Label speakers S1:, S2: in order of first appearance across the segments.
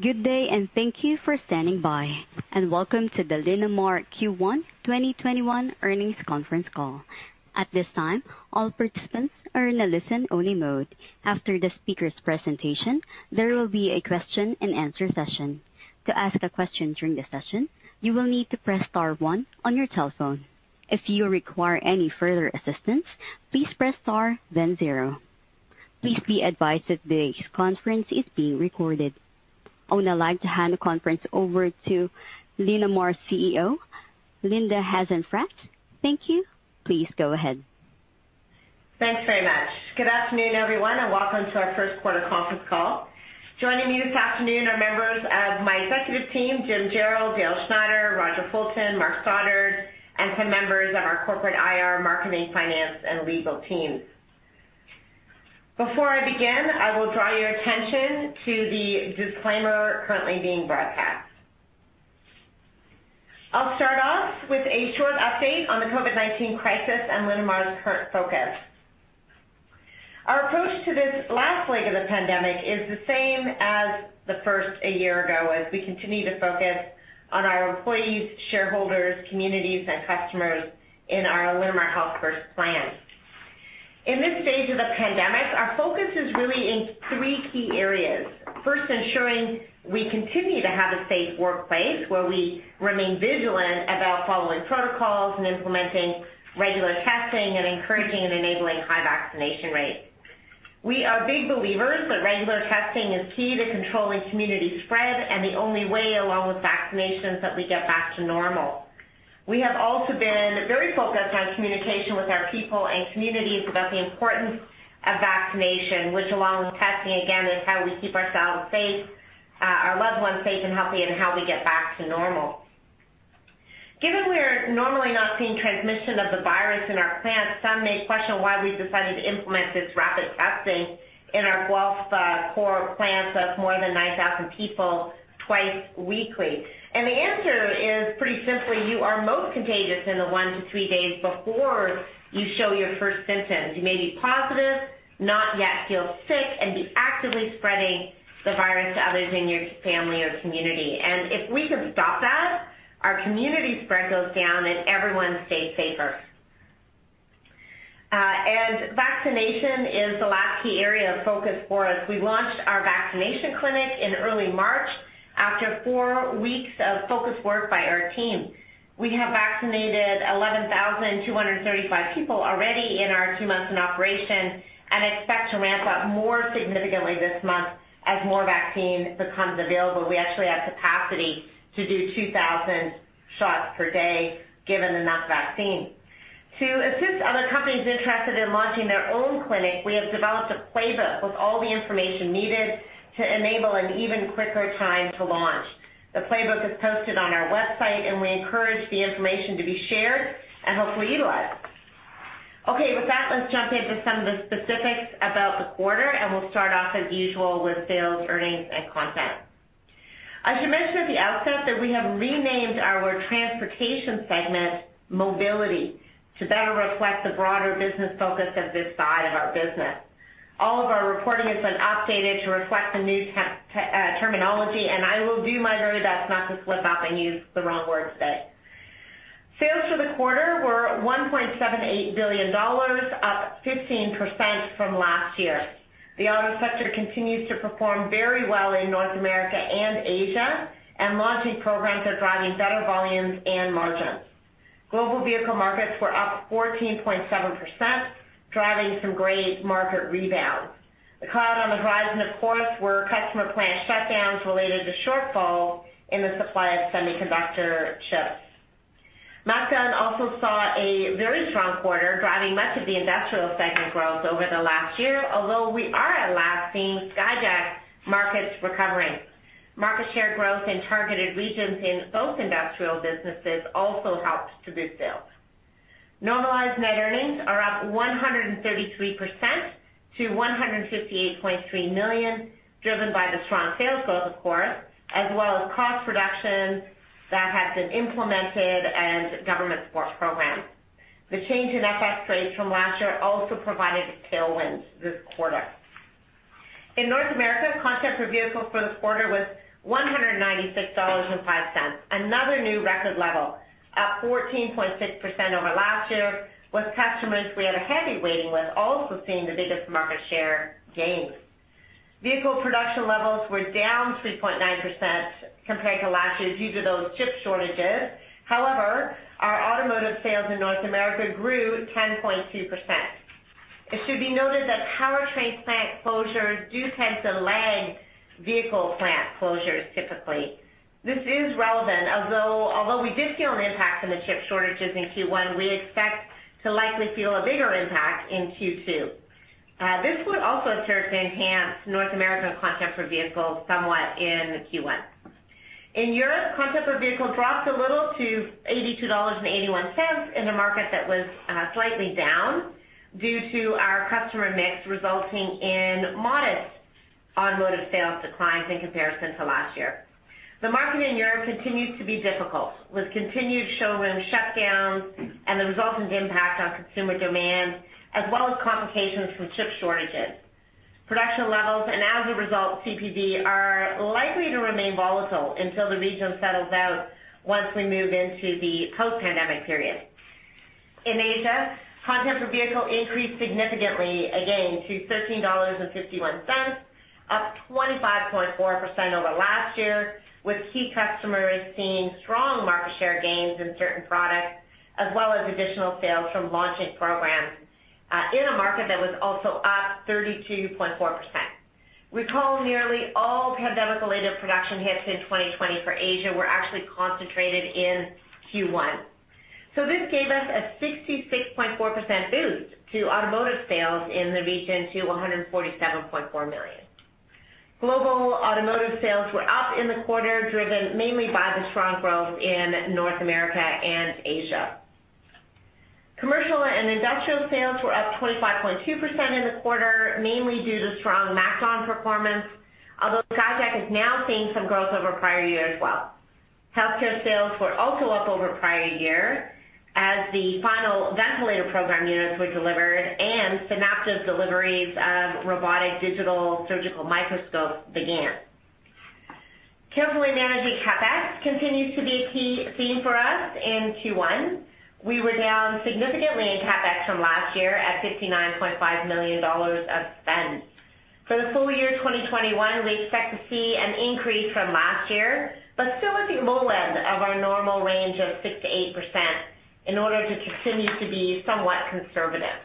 S1: Good day, and thank you for standing by, and welcome to the Linamar Q1 2021 Earnings Conference Call. At this time, all participants are in a listen-only mode. After the speaker's presentation, there will be a question-and-answer session. To ask a question during the session, you will need to press star one on your telephone. If you require any further assistance, please press star, then zero. Please be advised that today's conference is being recorded. I would now like to hand the conference over to Linamar's CEO, Linda Hasenfratz. Thank you. Please go ahead.
S2: Thanks very much. Good afternoon, everyone, and welcome to our First Quarter Conference Call. Joining me this afternoon are members of my executive team, Jim Jarrell, Dale Schneider, Roger Fulton, Mark Stoddart, and some members of our corporate IR marketing, finance, and legal teams. Before I begin, I will draw your attention to the disclaimer currently being broadcast. I'll start off with a short update on the COVID-19 crisis and Linamar's current focus. Our approach to this last leg of the pandemic is the same as the first a year ago as we continue to focus on our employees, shareholders, communities, and customers in our Linamar Health First plan. In this stage of the pandemic, our focus is really in three key areas. First, ensuring we continue to have a safe workplace where we remain vigilant about following protocols and implementing regular testing and encouraging and enabling high vaccination rates. We are big believers that regular testing is key to controlling community spread and the only way, along with vaccinations, that we get back to normal. We have also been very focused on communication with our people and communities about the importance of vaccination, which, along with testing again, is how we keep ourselves safe, our loved ones safe and healthy, and how we get back to normal. Given we're normally not seeing transmission of the virus in our plants, some may question why we've decided to implement this rapid testing in our Guelph, core plants of more than 9,000 people twice weekly. The answer is pretty simply, you are most contagious in the one to three days before you show your first symptoms. You may be positive, not yet feel sick, and be actively spreading the virus to others in your family or community. If we can stop that, our community spread goes down, and everyone stays safer. Vaccination is the last key area of focus for us. We launched our vaccination clinic in early March after four weeks of focused work by our team. We have vaccinated 11,235 people already in our two months in operation and expect to ramp up more significantly this month as more vaccine becomes available. We actually have capacity to do 2,000 shots per day, given enough vaccine. To assist other companies interested in launching their own clinic, we have developed a playbook with all the information needed to enable an even quicker time to launch. The playbook is posted on our website, and we encourage the information to be shared and hopefully utilized. With that, let's jump into some of the specifics about the quarter. We'll start off as usual with sales, earnings, and content. I should mention at the outset that we have renamed our transportation segment Mobility to better reflect the broader business focus of this side of our business. All of our reporting has been updated to reflect the new terminology. I will do my very best not to slip up and use the wrong words today. Sales for the quarter were 1.78 billion dollars, up 15% from last year. The auto sector continues to perform very well in North America and Asia. Launching programs are driving better volumes and margins. Global vehicle markets were up 14.7%, driving some great market rebounds. The cloud on the horizon, of course, were customer plant shutdowns related to shortfall in the supply of semiconductor chips. MacDon also saw a very strong quarter, driving much of the industrial segment growth over the last year, although we are at last seeing Skyjack markets recovering. Market share growth in targeted regions in both industrial businesses also helped to boost sales. Normalized net earnings are up 133% to $158.3 million, driven by the strong sales growth, of course, as well as cost reductions that have been implemented and government support programs. The change in FX rates from last year also provided tailwinds this quarter. In North America, content per vehicle for the quarter was $196.05. Another new record level, up 14.6% over last year, with customers we have a heavy weighting with also seeing the biggest market share gains. Vehicle production levels were down 3.9% compared to last year due to those chip shortages. Our automotive sales in North America grew 10.2%. It should be noted that powertrain plant closures do tend to lag vehicle plant closures typically. This is relevant, although we did feel an impact from the chip shortages in Q1, we expect to likely feel a bigger impact in Q2. This would also appear to enhance North American content per vehicle somewhat in Q1. In Europe, content per vehicle dropped a little to $82.81 in a market that was slightly down due to our customer mix resulting in modest automotive sales declines in comparison to last year. The market in Europe continues to be difficult, with continued showroom shutdowns and the resultant impact on consumer demand, as well as complications from chip shortages. Production levels, and as a result, CPV, are likely to remain volatile until the region settles out once we move into the post-pandemic period. In Asia, content per vehicle increased significantly again to $13.51, up 25.4% over last year, with key customers seeing strong market share gains in certain products, as well as additional sales from launching programs in a market that was also up 32.4%. Recall nearly all pandemic-related production hits in 2020 for Asia were actually concentrated in Q1. This gave us a 66.4% boost to automotive sales in the region to $147.4 million. Global automotive sales were up in the quarter, driven mainly by the strong growth in North America and Asia. Commercial and industrial sales were up 25.2% in the quarter, mainly due to strong MacDon performance, although Skyjack is now seeing some growth over prior year as well. Healthcare sales were also up over prior year as the final ventilator program units were delivered and Synaptive deliveries of robotic digital surgical microscopes began. Carefully managing CapEx continues to be a key theme for us in Q1. We were down significantly in CapEx from last year at $59.5 million of spend. For the full year 2021, we expect to see an increase from last year, but still at the low end of our normal range of 6%-8% in order to continue to be somewhat conservative.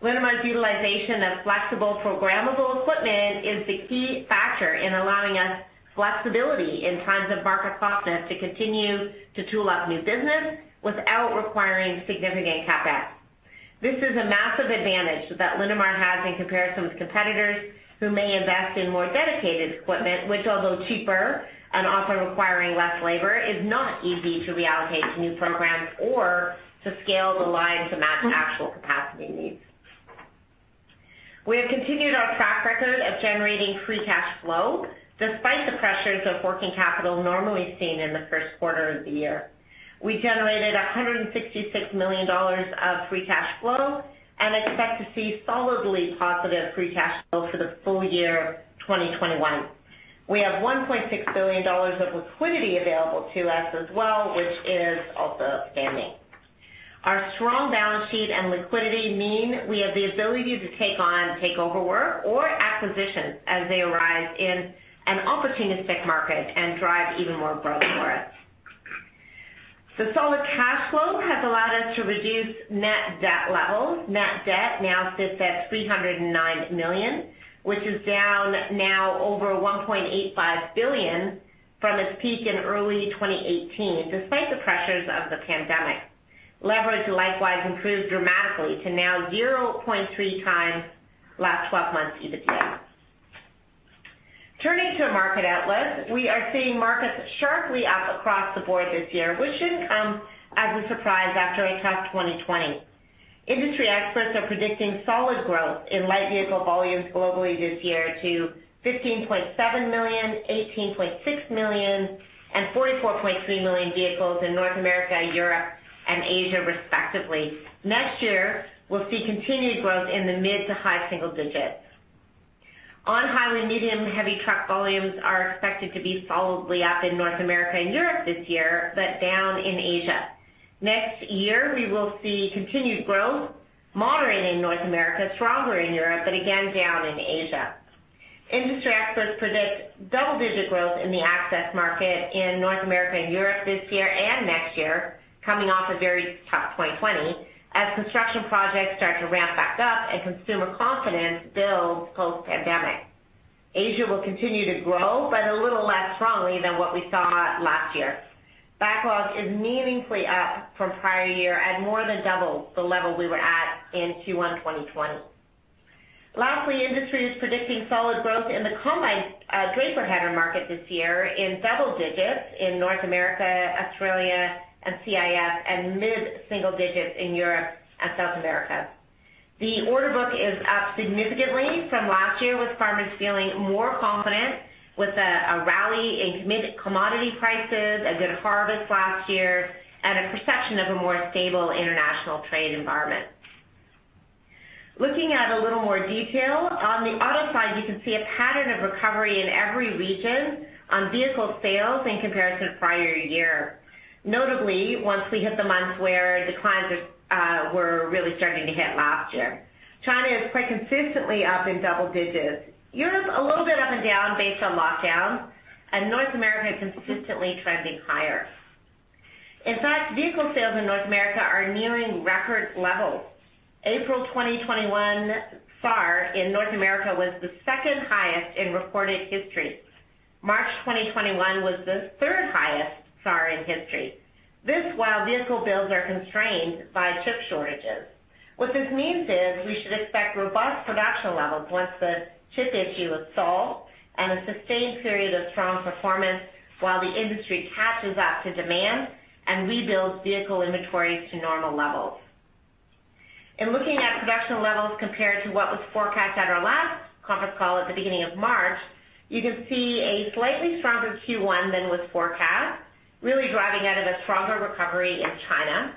S2: Linamar's utilization of flexible programmable equipment is the key factor in allowing us flexibility in times of market softness to continue to tool up new business without requiring significant CapEx. This is a massive advantage that Linamar has in comparison with competitors who may invest in more dedicated equipment, which although cheaper and often requiring less labor, is not easy to reallocate to new programs or to scale the line to match actual capacity needs. We have continued our track record of generating free cash flow despite the pressures of working capital normally seen in the first quarter of the year. We generated $166 million of free cash flow, and expect to see solidly positive free cash flow for the full year 2021. We have $1.6 billion of liquidity available to us as well, which is also standing. Our strong balance sheet and liquidity mean we have the ability to take on takeover work or acquisitions as they arise in an opportunistic market and drive even more growth for us. Solid cash flow has allowed us to reduce net debt levels. Net debt now sits at $309 million, which is down now over $1.85 billion from its peak in early 2018, despite the pressures of the pandemic. Leverage likewise improved dramatically to now 0.3 times last 12 months EBITDA. Turning to market outlook. We are seeing markets sharply up across the board this year, which shouldn't come as a surprise after a tough 2020. Industry experts are predicting solid growth in light vehicle volumes globally this year to 15.7 million, 18.6 million, and 44.3 million vehicles in North America, Europe, and Asia, respectively. Next year, we'll see continued growth in the mid to high single digits. Heavy truck volumes are expected to be solidly up in North America and Europe this year, but down in Asia. Next year, we will see continued growth, moderating in North America, stronger in Europe, but again down in Asia. Industry experts predict double-digit growth in the access market in North America and Europe this year and next year, coming off a very tough 2020, as construction projects start to ramp back up and consumer confidence builds post-pandemic. Asia will continue to grow, a little less strongly than what we saw last year. Backlog is meaningfully up from prior year at more than double the level we were at in Q1 2020. Lastly, industry is predicting solid growth in the combine draper header market this year in double digits in North America, Australia, and CIS, and mid-single digits in Europe and South America. The order book is up significantly from last year, with farmers feeling more confident with a rally in commodity prices, a good harvest last year, and a perception of a more stable international trade environment. Looking at a little more detail, on the auto side, you can see a pattern of recovery in every region on vehicle sales in comparison to prior year. Notably, once we hit the months where declines were really starting to hit last year. China is quite consistently up in double digits. Europe's a little bit up and down based on lockdown, and North America consistently trending higher. In fact, vehicle sales in North America are nearing record levels. April 2021 SAR in North America was the second highest in recorded history. March 2021 was the third highest SAR in history. This while vehicle builds are constrained by chip shortages. What this means is we should expect robust production levels once the chip issue is solved and a sustained period of strong performance while the industry catches up to demand and rebuilds vehicle inventories to normal levels. Looking at production levels compared to what was forecast at our last conference call at the beginning of March, you can see a slightly stronger Q1 than was forecast, really driving out of a stronger recovery in China.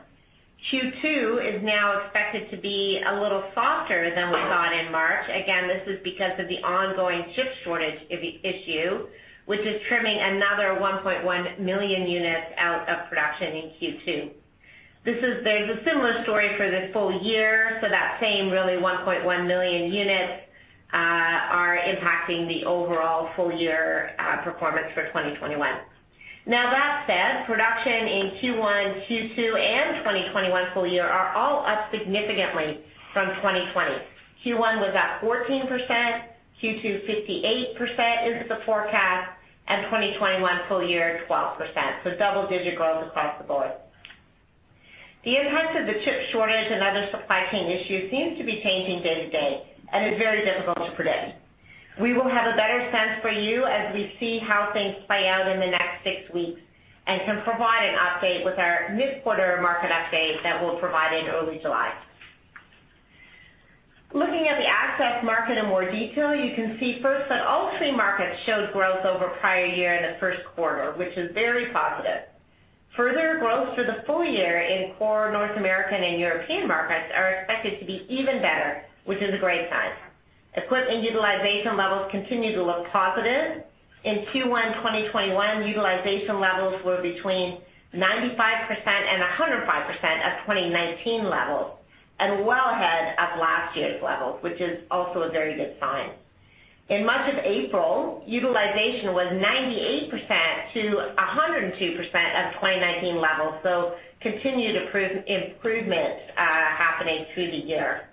S2: Q2 is now expected to be a little softer than we thought in March. This is because of the ongoing chip shortage issue, which is trimming another 1.1 million units out of production in Q2. There's a similar story for the full year, so that same really 1.1 million units are impacting the overall full year performance for 2021. That said, production in Q1, Q2 and 2021 full year are all up significantly from 2020. Q1 was up 14%, Q2 58% is the forecast, and 2021 full year, 12%. Double digit growth across the board. The impact of the chip shortage and other supply chain issues seems to be changing day to day and is very difficult to predict. We will have a better sense for you as we see how things play out in the next six weeks and can provide an update with our mid-quarter market update that we'll provide in early July. Looking at the access market in more detail, you can see first that all three markets showed growth over prior year in the first quarter, which is very positive. Further growth for the full year in core North American and European markets are expected to be even better, which is a great sign. Equipment utilization levels continue to look positive. In Q1 2021, utilization levels were between 95% and 100% of 2019 levels and well ahead of last year's levels, which is also a very good sign. In much of April, utilization was 98% to 102% of 2019 levels, continued improvement happening through the year.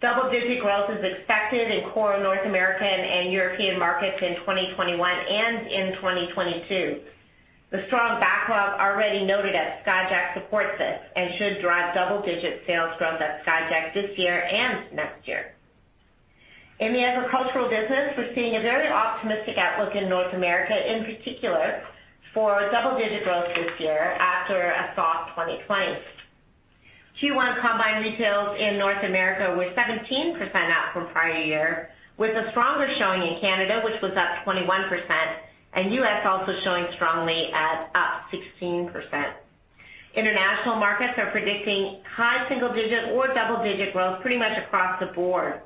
S2: Double-digit growth is expected in core North American and European markets in 2021 and in 2022. The strong backlog already noted at Skyjack supports this and should drive double-digit sales growth at Skyjack this year and next year. In the agricultural business, we're seeing a very optimistic outlook in North America, in particular for double-digit growth this year after a soft 2020. Q1 combine retails in North America were 17% up from prior year, with a stronger showing in Canada, which was up 21%, and US also showing strongly at up 16%. International markets are predicting high single digit or double-digit growth pretty much across the board.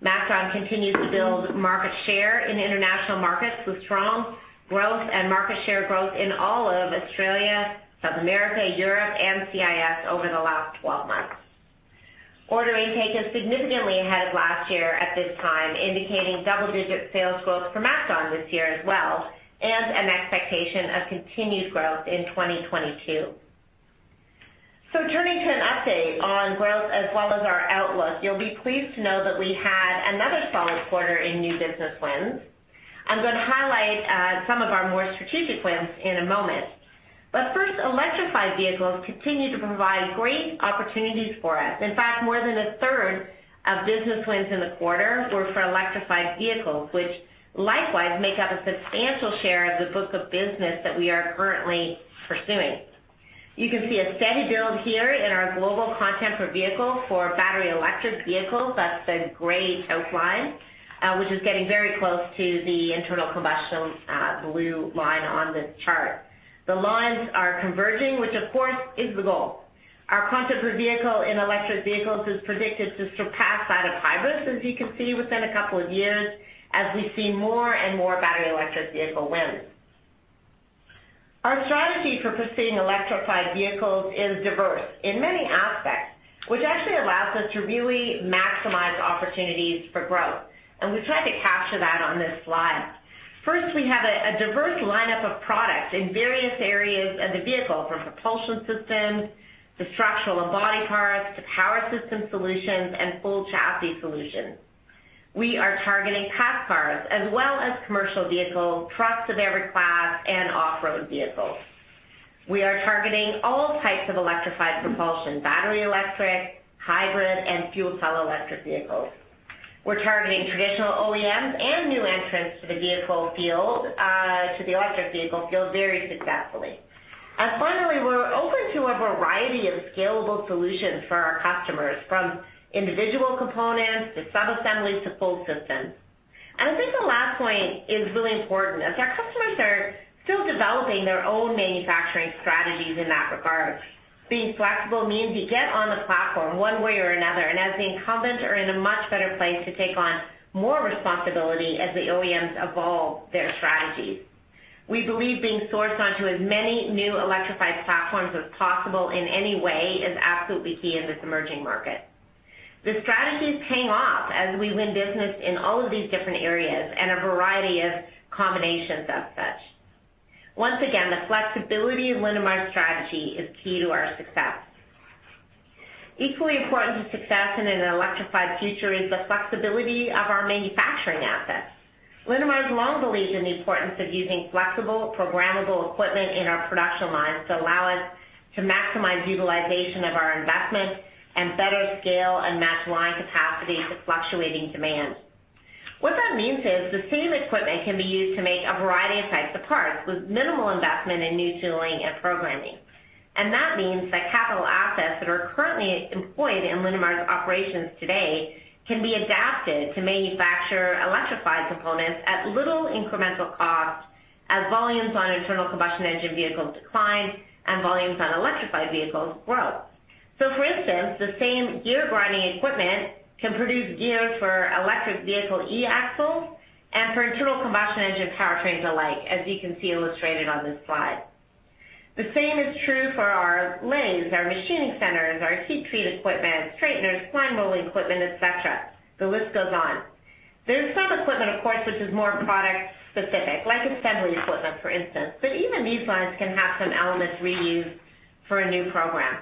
S2: MacDon continues to build market share in international markets with strong growth and market share growth in all of Australia, South America, Europe and CIS over the last 12 months. Order intake is significantly ahead of last year at this time, indicating double-digit sales growth for MacDon this year as well, and an expectation of continued growth in 2022. Turning to an update on growth as well as our outlook, you'll be pleased to know that we had another solid quarter in new business wins. I'm going to highlight some of our more strategic wins in a moment. First, electrified vehicles continue to provide great opportunities for us. In fact, more than a third of business wins in the quarter were for electrified vehicles, which likewise make up a substantial share of the books of business that we are currently pursuing. You can see a steady build here in our global content per vehicle for battery electric vehicles. That's the gray outline, which is getting very close to the internal combustion, blue line on this chart. The lines are converging, which, of course, is the goal. Our content per vehicle in electric vehicles is predicted to surpass that of hybrids, as you can see within a couple of years as we see more and more battery electric vehicle wins. Our strategy for pursuing electrified vehicles is diverse in many aspects, which actually allows us to really maximize opportunities for growth. We tried to capture that on this slide. First, we have a diverse lineup of products in various areas of the vehicle from propulsion systems to structural and body parts to power system solutions and full chassis solutions. We are targeting cars as well as commercial vehicles, trucks of every class and off-road vehicles. We are targeting all types of electrified propulsion, battery, electric, hybrid and fuel cell electric vehicles. We're targeting traditional OEMs and new entrants to the vehicle field, to the electric vehicle field very successfully. Finally, we're open to a variety of scalable solutions for our customers, from individual components to sub-assemblies to full systems. I think the last point is really important, as our customers are still developing their own manufacturing strategies in that regard. Being flexible means you get on the platform one way or another, and as the incumbent are in a much better place to take on more responsibility as the OEMs evolve their strategies. We believe being sourced onto as many new electrified platforms as possible in any way is absolutely key in this emerging market. The strategy paying off as we win business in all of these different areas and a variety of combinations as such. Once again, the flexibility of Linamar's strategy is key to our success. Equally important to success in an electrified future is the flexibility of our manufacturing assets. Linamar has long believed in the importance of using flexible, programmable equipment in our production lines to allow us to maximize utilization of our investments and better scale and match line capacity to fluctuating demands. What that means is the same equipment can be used to make a variety of types of parts with minimal investment in new tooling and programming. That means that capital assets that are currently employed in Linamar's operations today can be adapted to manufacture electrified components at little incremental cost as volumes on internal combustion engine vehicles decline and volumes on electrified vehicles grow. For instance, the same gear grinding equipment can produce gears for electric vehicle e-axles and for internal combustion engine powertrains alike, as you can see illustrated on this slide. The same is true for our lathes, our machining centers, our heat treat equipment, straighteners, spline rolling equipment, et cetera. The list goes on. There's some equipment, of course, which is more product specific, like assembly equipment, for instance, but even these lines can have some elements reused for a new program.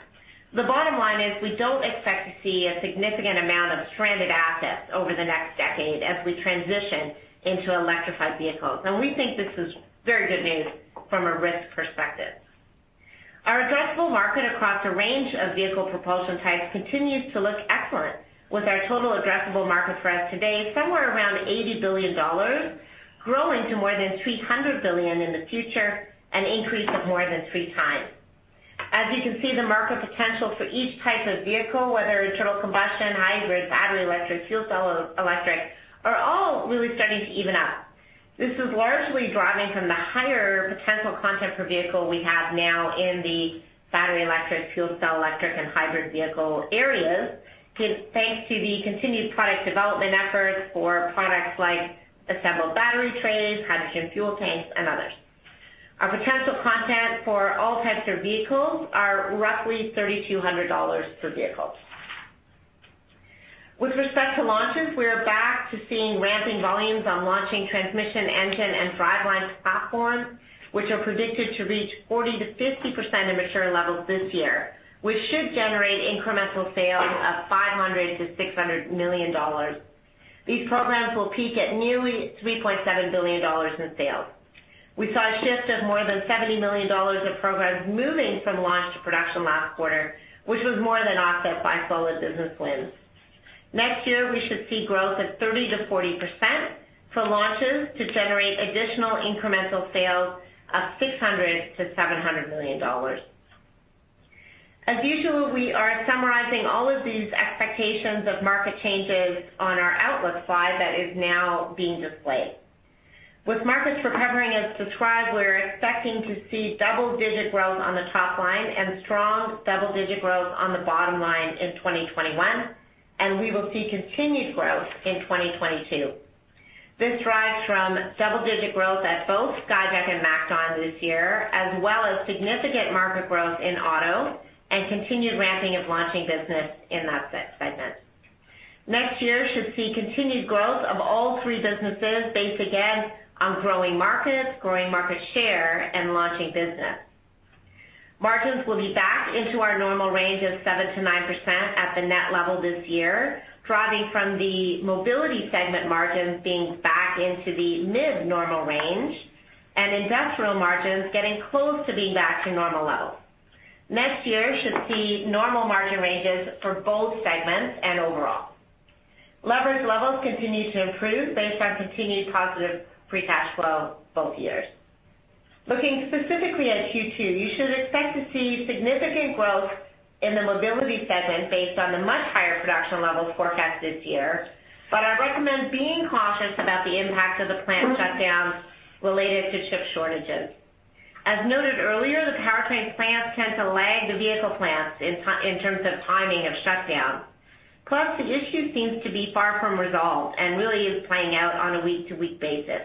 S2: The bottom line is we don't expect to see a significant amount of stranded assets over the next decade as we transition into electrified vehicles. We think this is very good news from a risk perspective. Our addressable market across a range of vehicle propulsion types continues to look excellent with our total addressable market for us today somewhere around $80 billion, growing to more than $300 billion in the future, an increase of more than 3 times. As you can see, the market potential for each type of vehicle, whether internal combustion, hybrid, battery, electric, fuel cell, electric, are all really starting to even up. This is largely driving from the higher potential content per vehicle we have now in the battery, electric, fuel cell, electric, and hybrid vehicle areas, give thanks to the continued product development efforts for products like assembled battery trays, hydrogen fuel tanks, and others. Our potential content for all types of vehicles are roughly $3,200 per vehicle. With respect to launches, we are back to seeing ramping volumes on launching transmission, engine, and driveline platforms, which are predicted to reach 40%-50% of mature levels this year, which should generate incremental sales of $500 million-$600 million. These programs will peak at nearly $3.7 billion in sales. We saw a shift of more than $70 million of programs moving from launch to production last quarter, which was more than offset by solid business wins. Next year, we should see growth of 30%-40% for launches to generate additional incremental sales of $600 million-$700 million. As usual, we are summarizing all of these expectations of market changes on our outlook slide that is now being displayed. With markets recovering as described, we're expecting to see double-digit growth on the top line and strong double-digit growth on the bottom line in 2021. We will see continued growth in 2022. This drives from double-digit growth at both Skyjack and MacDon this year, as well as significant market growth in auto and continued ramping of launching business in that segment. Next year should see continued growth of all three businesses based again on growing markets, growing market share, and launching business. Margins will be back into our normal range of 7%-9% at the net level this year, driving from the Mobility segment margins being back into the mid normal range and industrial margins getting close to being back to normal levels. Next year should see normal margin ranges for both segments and overall. Leverage levels continue to improve based on continued positive free cash flow both years. Looking specifically at Q2, you should expect to see significant growth in the Mobility segment based on the much higher production levels forecast this year. I recommend being cautious about the impact of the plant shutdowns related to chip shortages. As noted earlier, the powertrain plants tend to lag the vehicle plants in terms of timing of shutdowns. The issue seems to be far from resolved and really is playing out on a week-to-week basis.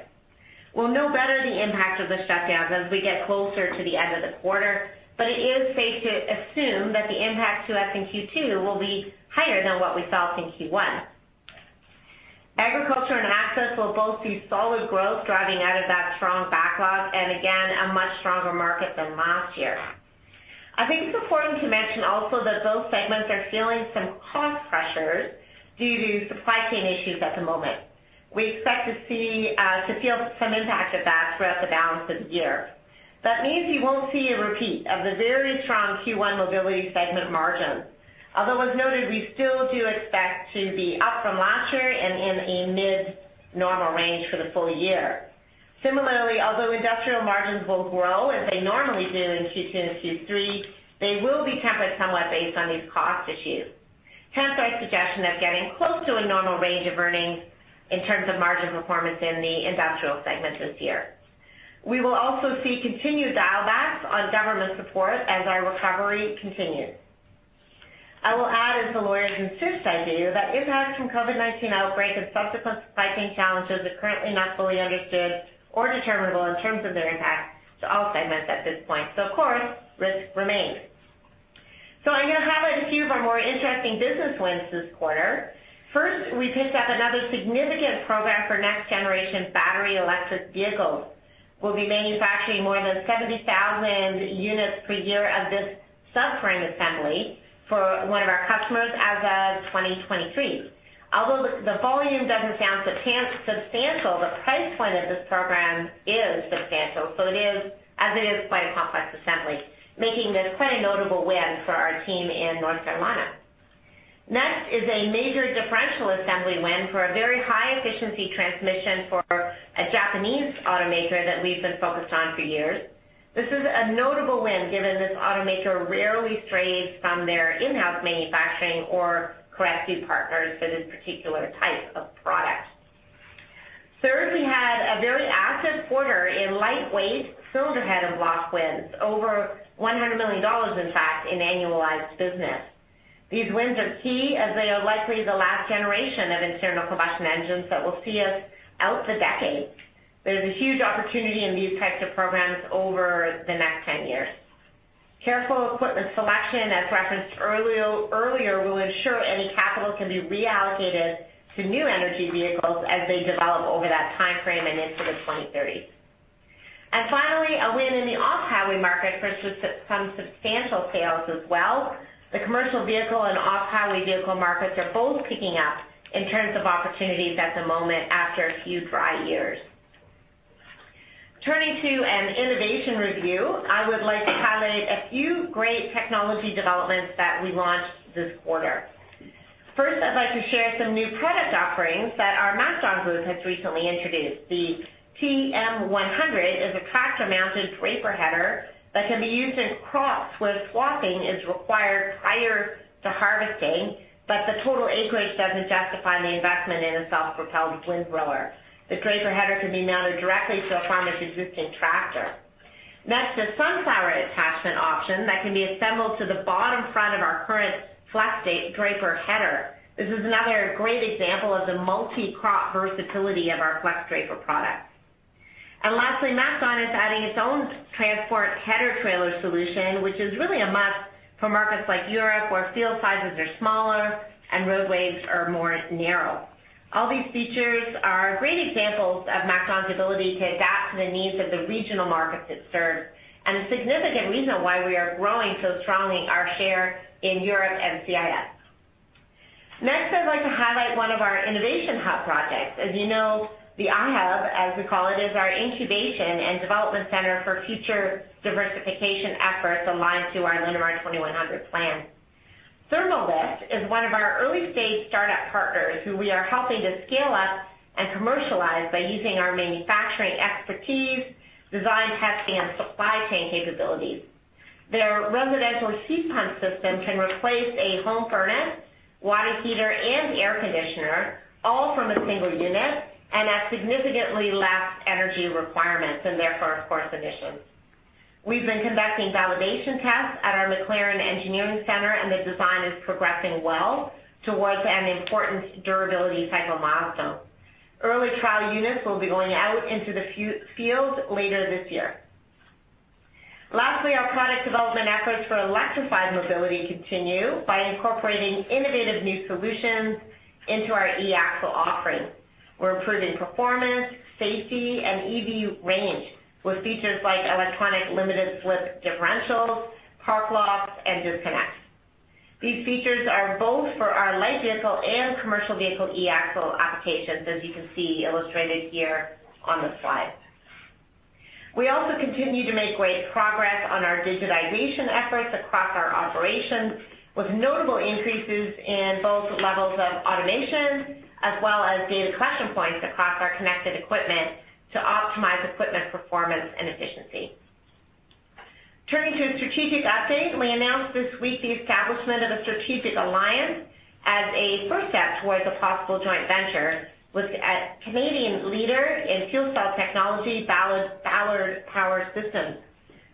S2: We'll know better the impact of the shutdowns as we get closer to the end of the quarter, but it is safe to assume that the impact to us in Q2 will be higher than what we saw from Q1. Agriculture and access will both see solid growth driving out of that strong backlog and again, a much stronger market than last year. I think it's important to mention also that both segments are feeling some cost pressures due to supply chain issues at the moment. We expect to see to feel some impact of that throughout the balance of the year. That means you won't see a repeat of the very strong Q1 Mobility segment margins. As noted, we still do expect to be up from last year and in a mid normal range for the full year. Similarly, although industrial margins will grow as they normally do in Q2 and Q3, they will be tempered somewhat based on these cost issues. Hence my suggestion of getting close to a normal range of earnings in terms of margin performance in the industrial segment this year. We will also see continued dial backs on government support as our recovery continues. I will add, as the lawyers insist I do, that impacts from COVID-19 outbreak and subsequent supply chain challenges are currently not fully understood or determinable in terms of their impact to all segments at this point. Of course, risk remains. I now highlight a few of our more interesting business wins this quarter. First, we picked up another significant program for next generation battery electric vehicles. We'll be manufacturing more than 70,000 units per year of this subframe assembly for one of our customers as of 2023. Although the volume doesn't sound substantial, the price point of this program is substantial, it is quite a complex assembly, making this quite a notable win for our team in North Carolina. Next is a major differential assembly win for a very high efficiency transmission for a Japanese automaker that we've been focused on for years. This is a notable win, given this automaker rarely strays from their in-house manufacturing or corrective partners for this particular type of product. Third, we had a very active quarter in lightweight cylinder head and block wins, over $100 million, in fact, in annualized business. These wins are key as they are likely the last generation of internal combustion engines that will see us out the decade. There's a huge opportunity in these types of programs over the next 10 years. Careful equipment selection, as referenced earlier, will ensure any capital can be reallocated to new energy vehicles as they develop over that time frame and into the 2030s. Finally, a win in the off-highway market for some substantial sales as well. The commercial vehicle and off-highway vehicle markets are both picking up in terms of opportunities at the moment after a few dry years. Turning to an innovation review, I would like to highlight a few great technology developments that we launched this quarter. First, I'd like to share some new product offerings that our MacDon group has recently introduced. The TM100 is a tractor-mounted draper header that can be used in crops where swathing is required prior to harvesting, but the total acreage doesn't justify the investment in a self-propelled windrower. The draper header can be mounted directly to a farmer's existing tractor. Next, a sunflower attachment option that can be assembled to the bottom front of our current FlexDraper header. This is another great example of the multi-crop versatility of our flex draper products. Lastly, MacDon is adding its own transport header trailer solution, which is really a must for markets like Europe, where field sizes are smaller and roadways are more narrow. All these features are great examples of MacDon's ability to adapt to the needs of the regional markets it serves, and a significant reason why we are growing so strongly our share in Europe and CIS. Next, I'd like to highlight one of our innovation hub projects. As you know, the iHub, as we call it, is our incubation and development center for future diversification efforts aligned to our Linamar 2100 plan. ThermoLift is one of our early-stage startup partners who we are helping to scale up and commercialize by using our manufacturing expertise, design, test, and supply chain capabilities. Their residential heat pump system can replace a home furnace, water heater, and air conditioner, all from a single unit and at significantly less energy requirements and therefore, of course, emissions. We've been conducting validation tests at our McLaren Engineering Center, and the design is progressing well towards an important durability type of milestone. Early trial units will be going out into the field later this year. Lastly, our product development efforts for electrified Mobility continue by incorporating innovative new solutions into our e-axle offerings. We're improving performance, safety, and EV range with features like electronic limited slip differentials, park locks, and disconnect. These features are both for our light vehicle and commercial vehicle e-axle applications, as you can see illustrated here on the slide. We also continue to make great progress on our digitization efforts across our operations, with notable increases in both levels of automation as well as data collection points across our connected equipment to optimize equipment performance and efficiency. Turning to a strategic update, we announced this week the establishment of a strategic alliance as a first step towards a possible joint venture with a Canadian leader in fuel cell technology, Ballard Power Systems.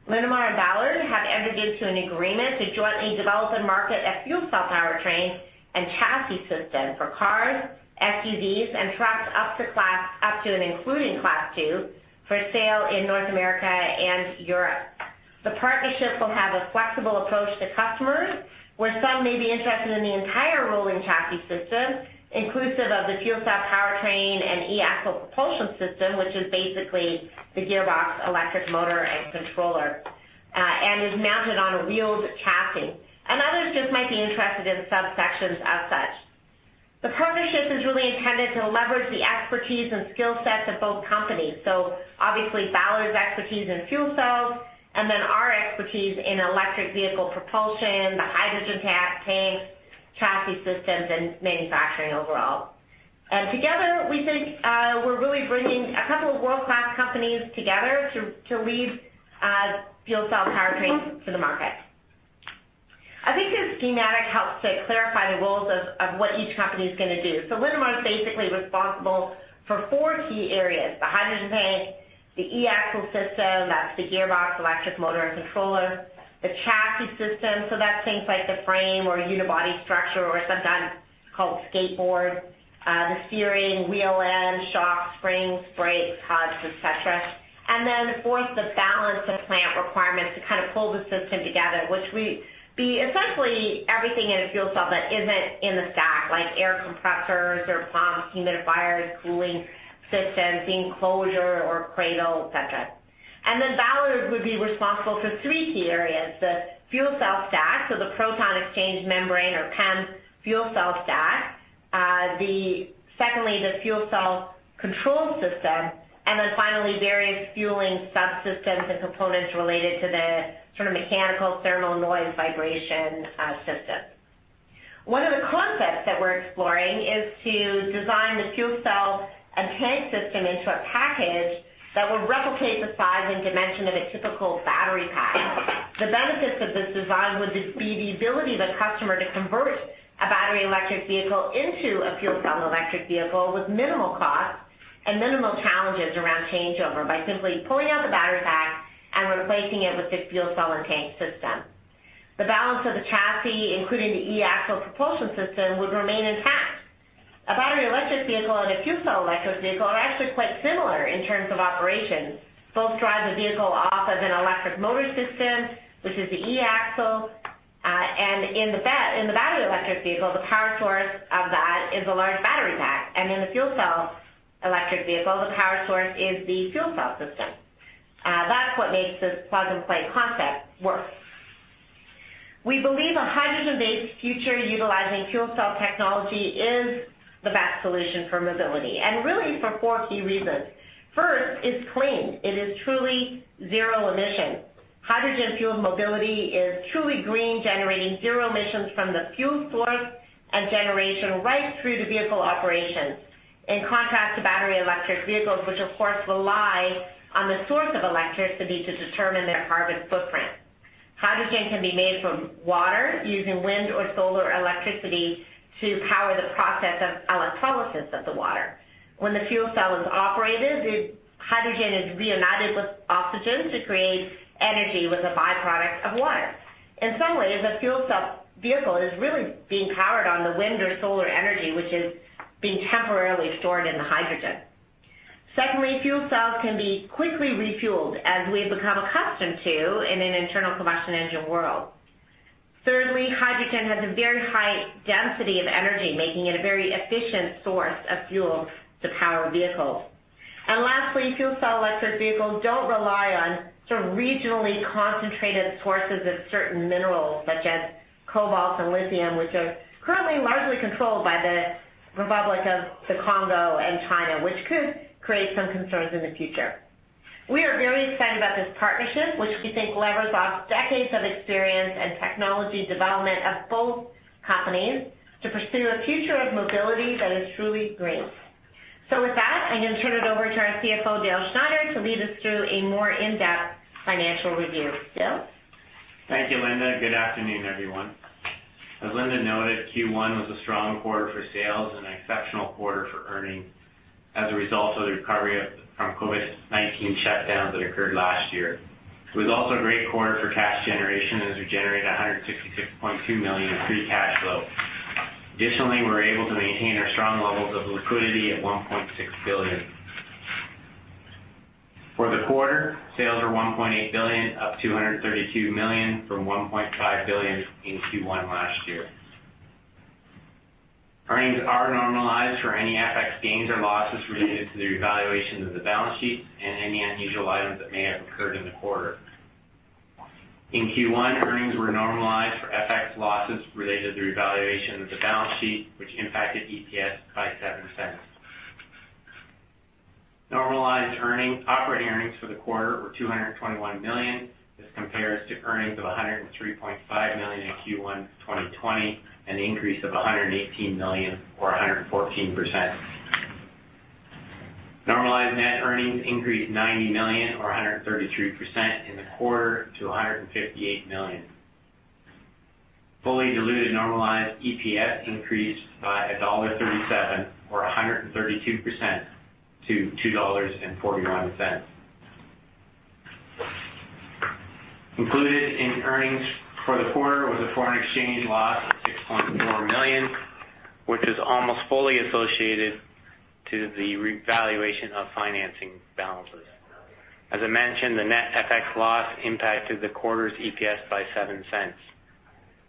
S2: Linamar and Ballard have entered into an agreement to jointly develop and market a fuel cell powertrain and chassis system for cars, SUVs, and trucks up to and including Class 2 for sale in North America and Europe. The partnership will have a flexible approach to customers, where some may be interested in the entire rolling chassis system, inclusive of the fuel cell powertrain and e-axle propulsion system, which is basically the gearbox electric motor and controller, and is mounted on a wheeled chassis. Others just might be interested in subsections as such. The partnership is really intended to leverage the expertise and skill sets of both companies. Obviously, Ballard's expertise in fuel cells and then our expertise in electric vehicle propulsion, the hydrogen tank, chassis systems, and manufacturing overall. Together we think we're really bringing a couple of world-class companies together to lead fuel cell powertrains to the market. I think this schematic helps to clarify the roles of what each company is going to do. Linamar is basically responsible for four key areas: the hydrogen tank, the e-axle system, that's the gearbox electric motor and controller, the chassis system, that's things like the frame or unibody structure or sometimes called skateboard, the steering, wheel end, shocks, springs, brakes, hubs, et cetera. Fourth, the balance of plant requirements to kind of pull the system together, which essentially everything in a fuel cell that isn't in the stack, like air compressors or pumps, humidifiers, cooling systems, the enclosure or cradle, et cetera. Ballard would be responsible for three key areas, the fuel cell stack, so the proton exchange membrane or PEM fuel cell stack, secondly, the fuel cell control system, finally, various fueling subsystems and components related to the sort of mechanical thermal noise vibration system. One of the concepts that we're exploring is to design the fuel cell and tank system into a package that will replicate the size and dimension of a typical battery pack. The benefits of this design would just be the ability of a customer to convert a battery electric vehicle into a fuel cell electric vehicle with minimal cost and minimal challenges around changeover by simply pulling out the battery pack and replacing it with the fuel cell and tank system. The balance of the chassis, including the e-axle propulsion system, would remain intact. A battery electric vehicle and a fuel cell electric vehicle are actually quite similar in terms of operations. Both drive the vehicle off of an electric motor system, which is the e-axle. In the battery electric vehicle, the power source of that is a large battery pack, and in the fuel cell electric vehicle, the power source is the fuel cell system. That's what makes this plug and play concept work. We believe a hydrogen-based future utilizing fuel cell technology is the best solution for mobility, really for four key reasons. First, it's clean. It is truly zero emission. Hydrogen fuel mobility is truly green, generating zero emissions from the fuel source and generation right through to vehicle operations. In contrast to battery electric vehicles, which of course rely on the source of electricity to determine their carbon footprint. Hydrogen can be made from water using wind or solar electricity to power the process of electrolysis of the water. When the fuel cell is operated, the hydrogen is reunited with oxygen to create energy with a by-product of water. In some ways, a fuel cell vehicle is really being powered on the wind or solar energy, which is being temporarily stored in the hydrogen. Secondly, fuel cells can be quickly refueled as we've become accustomed to in an internal combustion engine world. Thirdly, hydrogen has a very high density of energy, making it a very efficient source of fuel to power vehicles. Lastly, fuel cell electric vehicles don't rely on the regionally concentrated sources of certain minerals such as cobalt and lithium, which are currently largely controlled by the Republic of the Congo and China, which could create some concerns in the future. We are very excited about this partnership, which we think levers off decades of experience and technology development of both companies to pursue a future of mobility that is truly green. With that, I'm gonna turn it over to our CFO, Dale Schneider, to lead us through a more in-depth financial review. Dale?
S3: Thank you, Linda. Good afternoon, everyone. As Linda noted, Q1 was a strong quarter for sales and an exceptional quarter for earnings as a result of the recovery from COVID-19 shutdowns that occurred last year. It was also a great quarter for cash generation as we generated 166.2 million in free cash flow. Additionally, we were able to maintain our strong levels of liquidity at 1.6 billion. For the quarter, sales are 1.8 billion, up 232 million from 1.5 billion in Q1 last year. Earnings are normalized for any FX gains or losses related to the evaluation of the balance sheets and any unusual items that may have occurred in the quarter. In Q1, earnings were normalized for FX losses related to the evaluation of the balance sheet, which impacted EPS by 0.07. Normalized earnings, operating earnings for the quarter were $221 million. This compares to earnings of $103.5 million in Q1 2020, an increase of $118 million or 114%. Normalized net earnings increased $90 million or 133% in the quarter to $158 million. Fully diluted normalized EPS increased by $1.37 or 132% to $2.41. Included in earnings for the quarter was a foreign exchange loss of $6.4 million, which is almost fully associated to the revaluation of financing balances. As I mentioned, the net FX loss impacted the quarter's EPS by $0.07.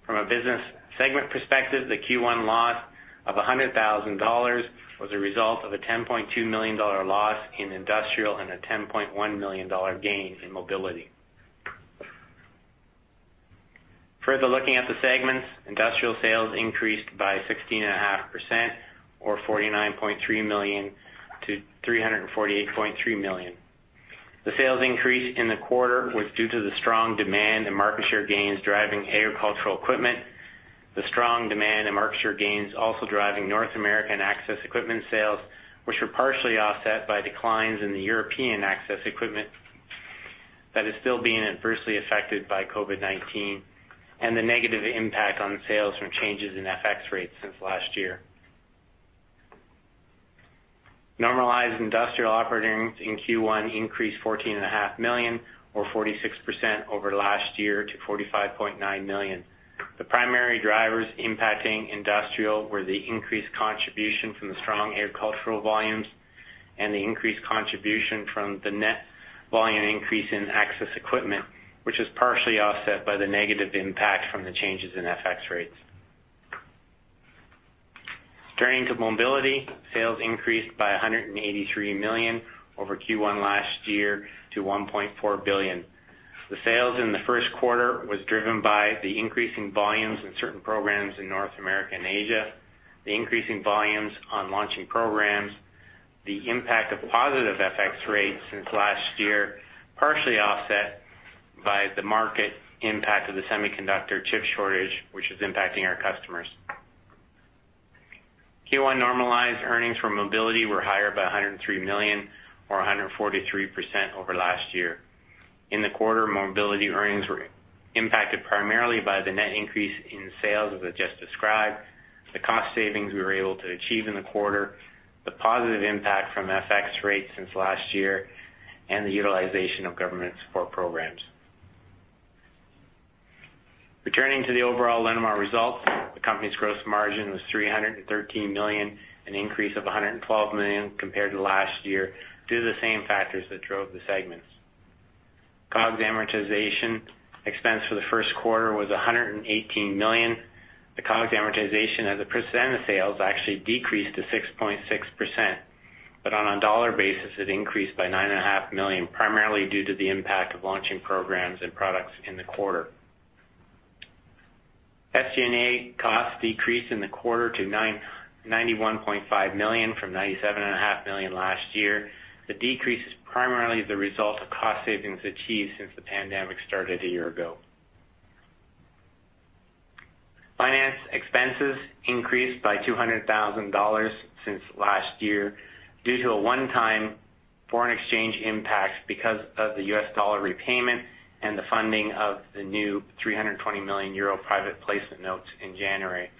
S3: From a business segment perspective, the Q1 loss of 100,000 dollars was a result of a 10.2 million dollar loss in Industrial and a 10.1 million dollar gain in Mobility. Looking at the segments, Industrial sales increased by 16.5% or 49.3 million to 348.3 million. The sales increase in the quarter was due to the strong demand and market share gains driving agricultural equipment. The strong demand and market share gains also driving North American access equipment sales, which were partially offset by declines in the European access equipment that is still being adversely affected by COVID-19 and the negative impact on sales from changes in FX rates since last year. Normalized industrial operating in Q1 increased $14 and a half million or 46% over last year to $45.9 million. The primary drivers impacting industrial were the increased contribution from the strong agricultural volumes and the increased contribution from the net volume increase in access equipment, which was partially offset by the negative impact from the changes in FX rates. Turning to Mobility, sales increased by $183 million over Q1 last year to $1.4 billion. The sales in the first quarter was driven by the increasing volumes in certain programs in North America and Asia, the increasing volumes on launching programs, the impact of positive FX rates since last year, partially offset by the market impact of the semiconductor chip shortage, which is impacting our customers. Q1 normalized earnings from Mobility were higher by 103 million or 143% over last year. In the quarter, Mobility earnings were impacted primarily by the net increase in sales as I just described, the cost savings we were able to achieve in the quarter, the positive impact from FX rates since last year, and the utilization of government support programs. Returning to the overall Linamar results, the company's gross margin was 313 million, an increase of 112 million compared to last year due to the same factors that drove the segments. COGS amortization expense for the first quarter was 118 million. The COGS amortization as a percent of sales actually decreased to 6.6%, but on a dollar basis, it increased by 9.5 million, primarily due to the impact of launching programs and products in the quarter. SG&A costs decreased in the quarter to 91.5 million from 97.5 million last year. The decrease is primarily the result of cost savings achieved since the pandemic started a year ago. Finance expenses increased by 200,000 dollars since last year due to a one-time foreign exchange impact because of the U.S. dollar repayment and the funding of the new 320 million euro private placement notes in January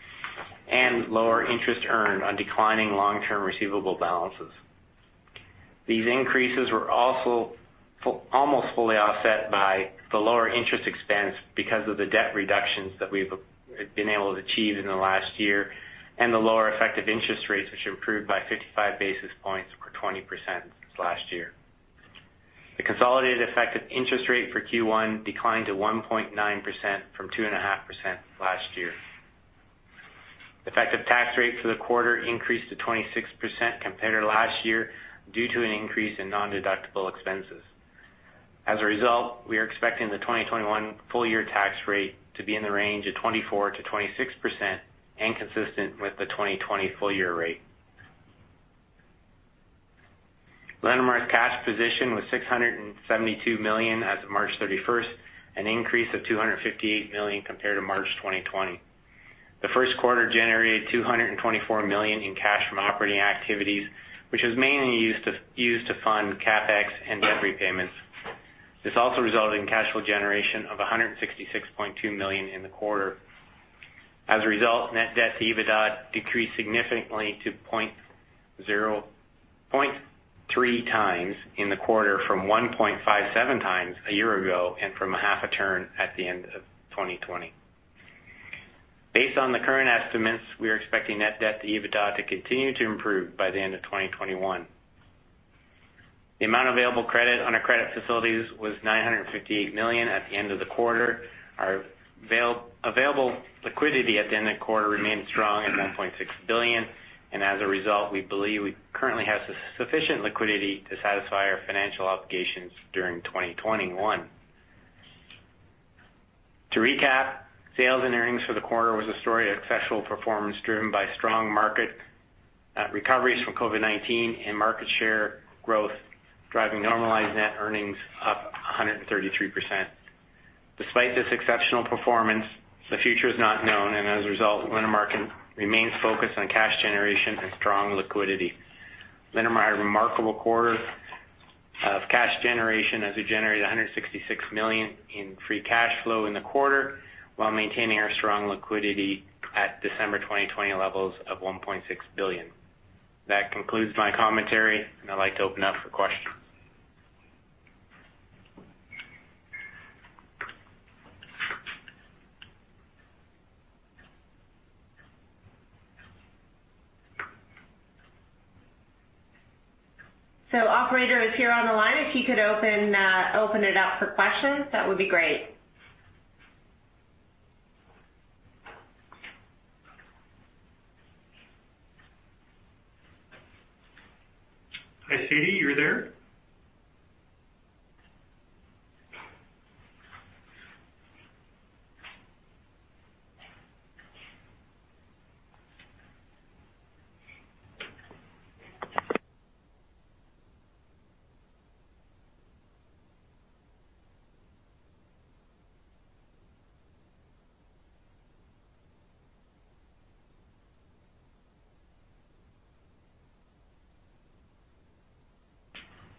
S3: and lower interest earned on declining long-term receivable balances. These increases were also almost fully offset by the lower interest expense because of the debt reductions that we've been able to achieve in the last year and the lower effective interest rates, which improved by 55 basis points or 20% since last year. The consolidated effective interest rate for Q1 declined to 1.9% from 2.5% last year. Effective tax rate for the quarter increased to 26% compared to last year due to an increase in nondeductible expenses. As a result, we are expecting the 2021 full year tax rate to be in the range of 24%-26% and consistent with the 2020 full year rate. Linamar's cash position was 672 million as of March 31st, an increase of 258 million compared to March 2020. The first quarter generated 224 million in cash from operating activities, which was mainly used to fund CapEx and debt repayments. This also resulted in cash flow generation of 166.2 million in the quarter. Net debt to EBITDA decreased significantly to 0.3 times in the quarter from 1.57 times a year ago and from a half a turn at the end of 2020. Based on the current estimates, we are expecting net debt to EBITDA to continue to improve by the end of 2021. The amount of available credit on our credit facilities was 958 million at the end of the quarter. Our available liquidity at the end of the quarter remained strong at $1.6 billion, as a result, we believe we currently have sufficient liquidity to satisfy our financial obligations during 2021. To recap, sales and earnings for the quarter was a story of exceptional performance driven by strong market recoveries from COVID-19 and market share growth, driving normalized net earnings up 133%. Despite this exceptional performance, the future is not known, as a result, Linamar remains focused on cash generation and strong liquidity. Linamar had a remarkable quarter of cash generation as we generated $166 million in free cash flow in the quarter while maintaining our strong liquidity at December 2020 levels of $1.6 billion. That concludes my commentary, I'd like to open up for questions.
S2: Operator, if you're on the line, if you could open it up for questions, that would be great.
S4: Hi, Sadie. You're there?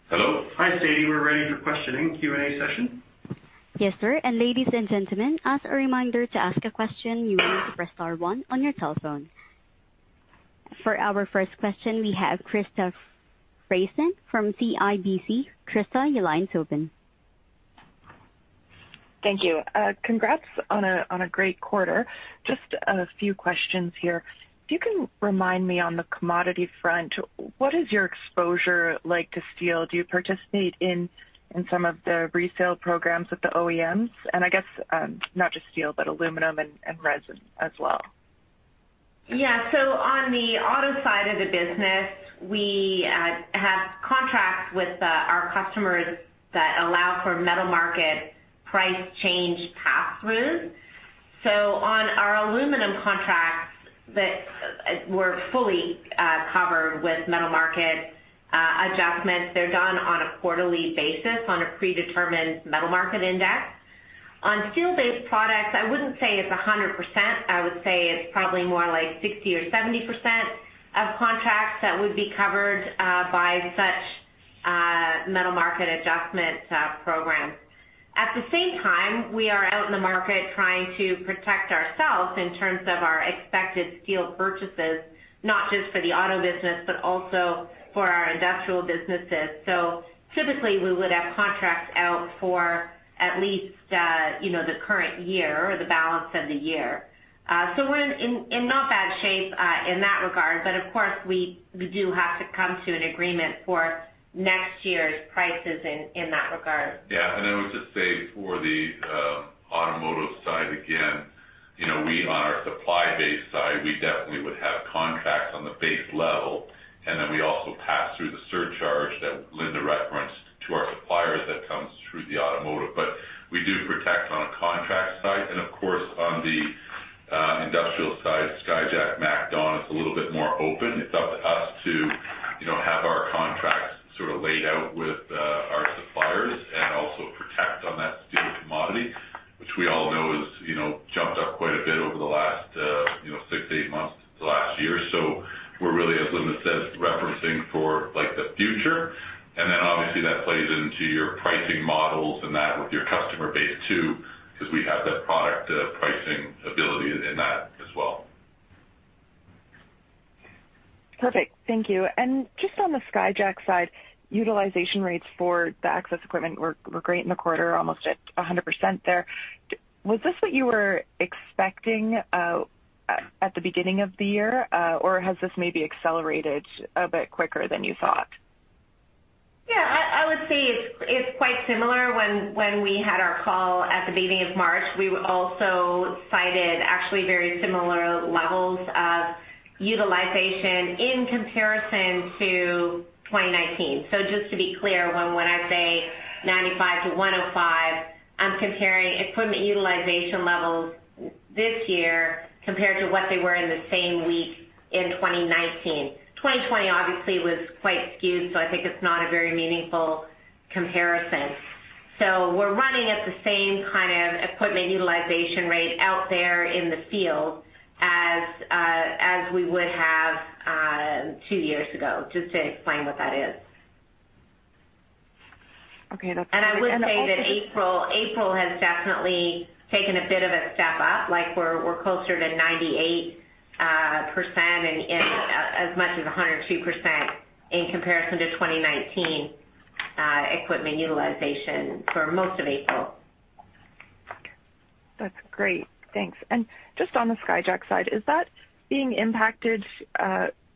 S4: Hello. Hi, Sadie. We're ready for questioning, Q&A session.
S1: Yes, sir. Ladies and gentlemen, as a reminder, to ask a question, you need to press star one on your telephone. For our first question, we have Krista Friesen from CIBC. Krista, your line's open.
S5: Thank you. Congrats on a great quarter. Just a few questions here. If you can remind me on the commodity front, what is your exposure like to steel? Do you participate in some of the resale programs with the OEMs? I guess, not just steel, but aluminum and resin as well.
S2: Yeah. On the auto side of the business, we have contracts with our customers that allow for metal market price change passthroughs. On our aluminum contracts that we're fully covered with metal market adjustments. They're done on a quarterly basis on a predetermined metal market index. On steel-based products, I wouldn't say it's 100%. I would say it's probably more like 60% or 70% of contracts that would be covered by such metal market adjustment programs. At the same time, we are out in the market trying to protect ourselves in terms of our expected steel purchases, not just for the auto business, but also for our industrial businesses. Typically, we would have contracts out for at least, you know, the current year or the balance of the year. We're in not bad shape, in that regard, but of course, we do have to come to an agreement for next year's prices in that regard.
S6: Yeah. I would just say for the automotive side, again, you know, we on our supply base side, we definitely would have contracts on the base level. Then we also pass through the surcharge that Linda referenced to our suppliers that comes through the automotive. We do protect on a contract side. Of course, on the industrial side, Skyjack, MacDon, it's a little bit more open. It's up to us to, you know, have our contracts sort of laid out with our suppliers and also protect on that steel commodity, which we all know is, you know, jumped up quite a bit over the last, six, eight months, the last year. We're really, as Linda said, referencing for, like, the future. Obviously that plays into your pricing models and that with your customer base too, 'cause we have that product pricing ability in that as well.
S5: Perfect. Thank you. Just on the Skyjack side, utilization rates for the access equipment were great in the quarter, almost at 100% there. Was this what you were expecting at the beginning of the year, or has this maybe accelerated a bit quicker than you thought?
S2: Yeah, I would say it's quite similar when we had our call at the beginning of March. We also cited actually very similar levels of utilization in comparison to 2019. Just to be clear, when I say 95 to 105, I'm comparing equipment utilization levels this year compared to what they were in the same week in 2019. 2020 obviously was quite skewed, so I think it's not a very meaningful comparison. We're running at the same kind of equipment utilization rate out there in the field as we would have two years ago, just to explain what that is.
S5: Okay. That's great.
S2: I would say that April has definitely taken a bit of a step up. Like we're closer to 98% and as much as 102% in comparison to 2019 equipment utilization for most of April.
S5: That's great. Thanks. Just on the Skyjack side, is that being impacted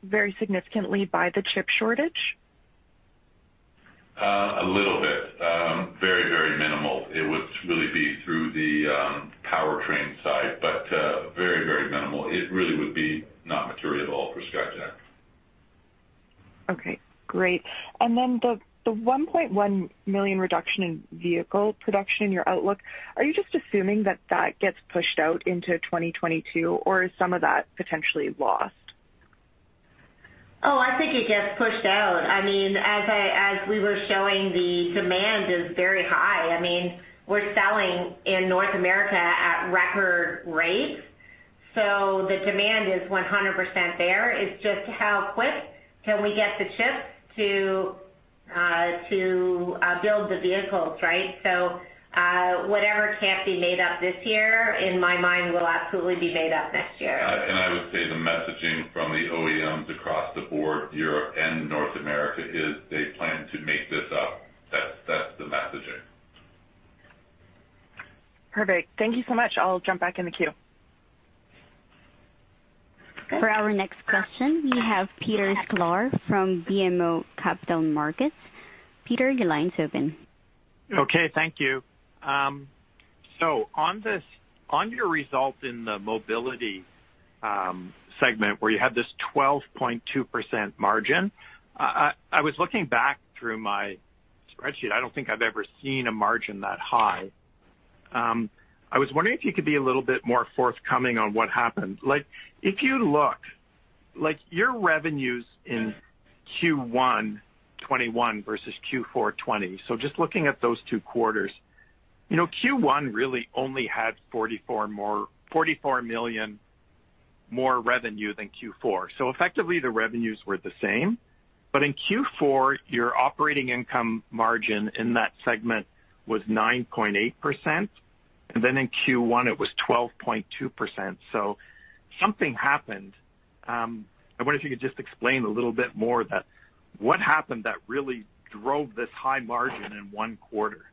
S5: very significantly by the chip shortage?
S6: A little bit. Very minimal. It would really be through the powertrain side. Very minimal. It really would be not material at all for Skyjack.
S5: Okay, great. Then the 1.1 million reduction in vehicle production, your outlook, are you just assuming that gets pushed out into 2022, or is some of that potentially lost?
S2: Oh, I think it gets pushed out. I mean, as we were showing, the demand is very high. I mean, we're selling in North America at record rates, so the demand is 100% there. It's just how quick can we get the chips to build the vehicles, right? Whatever can't be made up this year, in my mind, will absolutely be made up next year.
S6: I would say the messaging from the OEMs across the board, Europe and North America, is they plan to make this up. That's the messaging.
S5: Perfect. Thank you so much. I'll jump back in the queue.
S2: Okay.
S1: For our next question, we have Peter Sklar from BMO Capital Markets. Peter, your line's open.
S4: Okay, thank you. On your result in the Mobility segment, where you have this 12.2% margin, I was looking back through my spreadsheet. I don't think I've ever seen a margin that high. I was wondering if you could be a little bit more forthcoming on what happened. Like, if you look, your revenues in Q1 2021 versus Q4 2020, just looking at those two quarters. You know, Q1 really only had $44 million more revenue than Q4. Effectively, the revenues were the same. In Q4, your operating income margin in that segment was 9.8%, and then in Q1, it was 12.2%. Something happened. I wonder if you could just explain a little bit more that what happened that really drove this high margin in one quarter?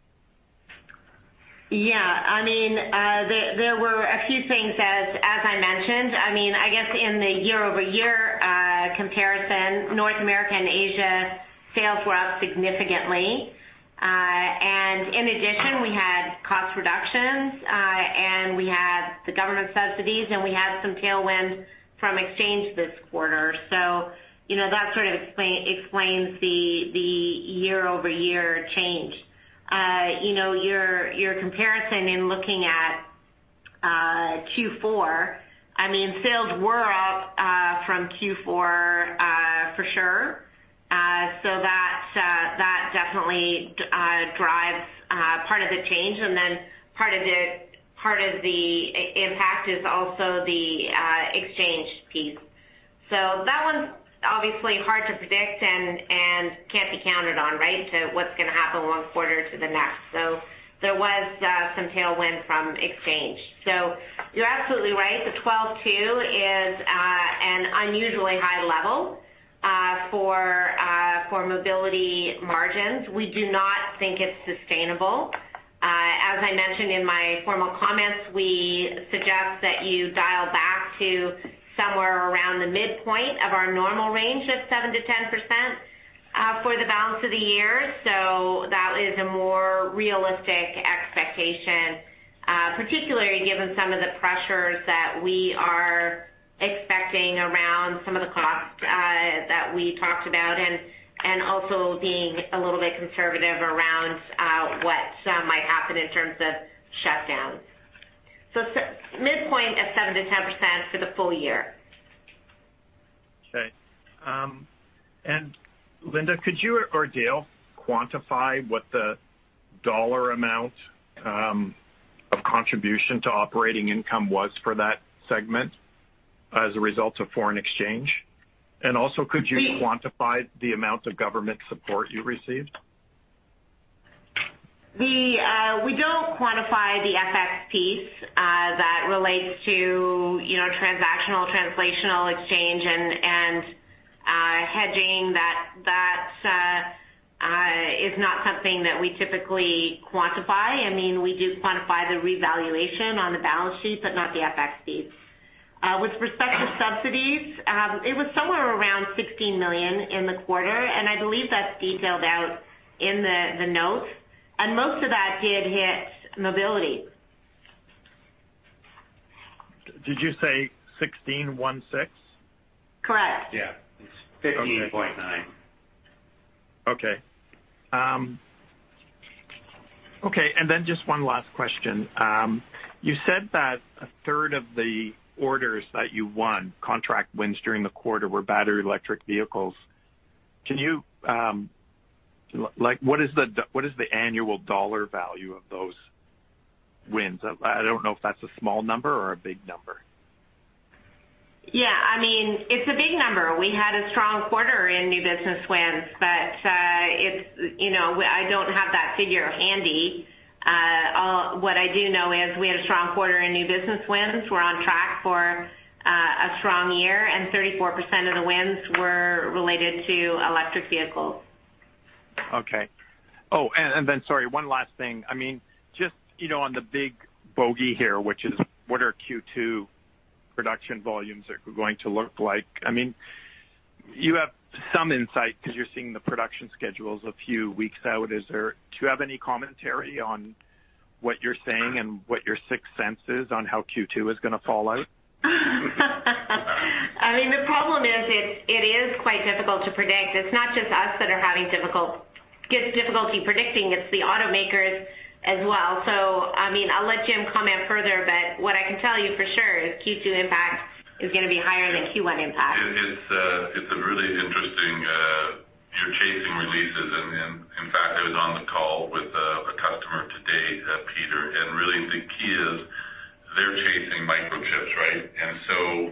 S2: Yeah. I mean, there were a few things as I mentioned. I mean, I guess in the year-over-year comparison, North America and Asia sales were up significantly. In addition, we had cost reductions, and we had the government subsidies, and we had some tailwind from exchange this quarter. You know, that sort of explains the year-over-year change. You know, your comparison in looking at Q4, I mean, sales were up from Q4 for sure. That definitely drives part of the change. Part of the impact is also the exchange piece. That one's obviously hard to predict and can't be counted on, right? To what's gonna happen one quarter to the next. There was some tailwind from exchange. You're absolutely right. The 12.2% is an unusually high level for Mobility margins. We do not think it's sustainable. As I mentioned in my formal comments, we suggest that you dial back to somewhere around the midpoint of our normal range of 7%-10% for the balance of the year. That is a more realistic expectation, particularly given some of the pressures that we are expecting around some of the costs that we talked about, and also being a little bit conservative around what might happen in terms of shutdowns. Midpoint of 7%-10% for the full year.
S4: Linda, could you or Dale quantify what the dollar amount of contribution to operating income was for that segment as a result of foreign exchange? Also, could you...
S2: We-
S4: quantify the amount of government support you received?
S2: We don't quantify the FX piece that relates to, you know, transactional, translational exchange and hedging. That is not something that we typically quantify. I mean, we do quantify the revaluation on the balance sheet, but not the FX piece. With respect to subsidies, it was somewhere around 16 million in the quarter, and I believe that's detailed out in the notes. Most of that did hit Mobility.
S4: Did you say 16?
S2: Correct.
S6: Yeah. It's 15.9.
S4: Okay. Just one last question. You said that a third of the orders that you won, contract wins during the quarter were battery electric vehicles. Can you, like, what is the annual dollar value of those wins? I don't know if that's a small number or a big number.
S2: Yeah, I mean, it's a big number. We had a strong quarter in new business wins, but, you know, I don't have that figure handy. What I do know is we had a strong quarter in new business wins. We're on track for a strong year. 34% of the wins were related to electric vehicles.
S4: Okay. Oh, sorry, one last thing. I mean, just, you know, on the big bogey here, which is what are Q2 production volumes are going to look like. I mean, you have some insight 'cause you're seeing the production schedules a few weeks out. Do you have any commentary on what you're seeing and what your sixth sense is on how Q2 is gonna fall out?
S2: I mean, the problem is it is quite difficult to predict. It's not just us that are having difficulty predicting. It's the automakers as well. I mean, I'll let Jim comment further, but what I can tell you for sure is Q2 impact is gonna be higher than Q1 impact.
S6: Yeah. It's a really interesting. You're chasing releases and in fact, I was on the call with a customer today, Peter. Really the key is they're chasing microchips, right?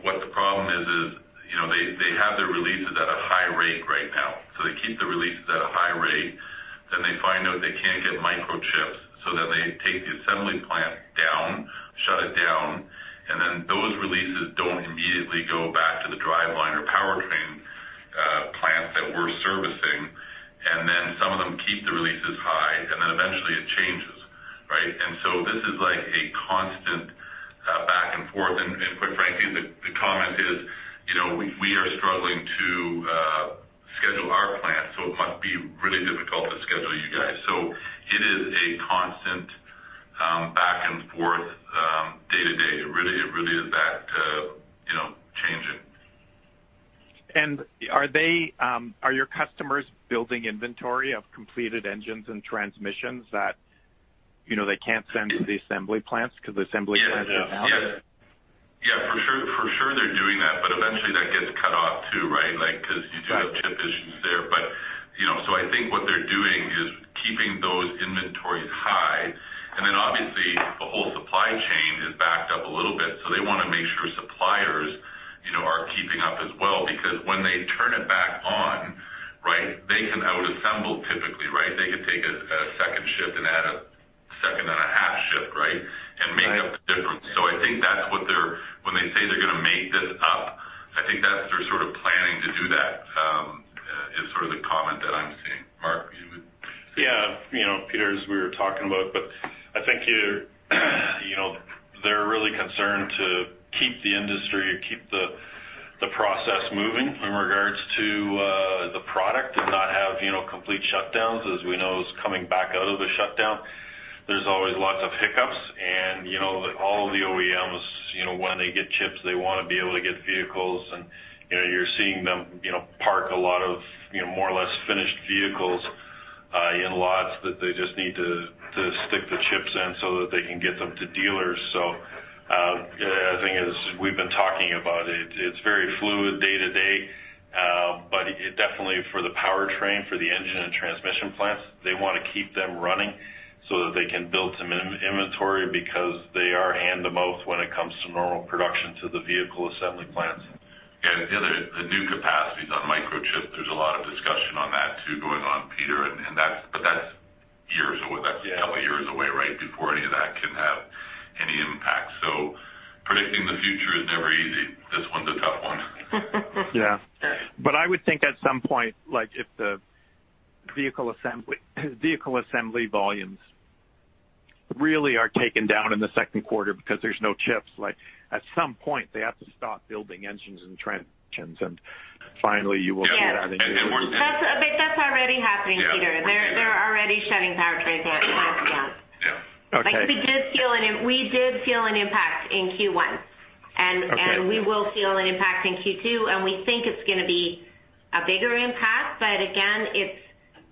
S6: What the problem is, you know, they have their releases at a high rate right now. They keep the releases at a high rate. They find out they can't get microchips, they take the assembly plant down, shut it down, and then those releases don't immediately go back to the driveline or powertrain plants that we're servicing. Some of them keep the releases high, and then eventually it changes, right? This is like a constant back and forth. Quite frankly, the comment is, "You know, we are struggling to schedule our plant, so it must be really difficult to schedule you guys." It is a constant back and forth day to day. It really is that, you know, changing.
S4: Are your customers building inventory of completed engines and transmissions that, you know, they can't send to the assembly plants 'cause assembly plants are out?
S6: Yeah, yeah. Yeah. Yeah, for sure, for sure they're doing that, but eventually that gets cut off too, right? Like, 'cause you do have chip issues there. You know, so I think what they're doing is keeping those inventories high. Then obviously the whole supply chain is backed up a little bit, so they wanna make sure suppliers, you know, are keeping up as well. When they turn it back on, right, they can outassemble typically, right? They could take a second shift and add a second and a half shift, right?
S4: Right.
S6: Make up the difference. When they say they're gonna make this up, I think that's their sort of planning to do that, is sort of the comment that I'm seeing. Mark,
S7: Yeah. You know, Peter, as we were talking about, they're really concerned to keep the industry or keep the process moving in regards to the product and not have, you know, complete shutdowns. We know, it's coming back out of the shutdown. There's always lots of hiccups and, you know, all the OEMs, you know, when they get chips, they wanna be able to get vehicles. You know, you're seeing them, you know, park a lot of, you know, more or less finished vehicles in lots that they just need to stick the chips in so that they can get them to dealers. The thing is, we've been talking about it. It's very fluid day to day. Definitely for the powertrain, for the engine and transmission plants, they wanna keep them running so that they can build some in-inventory because they are hand-to-mouth when it comes to normal production to the vehicle assembly plants.
S6: Yeah. The new capacities on microchip, there's a lot of discussion on that too going on, Peter, and that's years away. That's a couple years away, right? Before any of that can have any impact. Predicting the future is never easy. This one's a tough one.
S4: Yeah. I would think at some point, like, if the vehicle assembly volumes really are taken down in the second quarter because there's no chips, like, at some point, they have to stop building engines and transmissions, and finally you will see that.
S2: Yes. That's, but that's already happening, Peter.
S6: Yeah.
S2: They're already shutting powertrains down at plants down.
S6: Yeah.
S4: Okay.
S2: Like, we did feel an impact in Q1.
S4: Okay.
S2: We will feel an impact in Q2, and we think it's gonna be a bigger impact. Again, it's,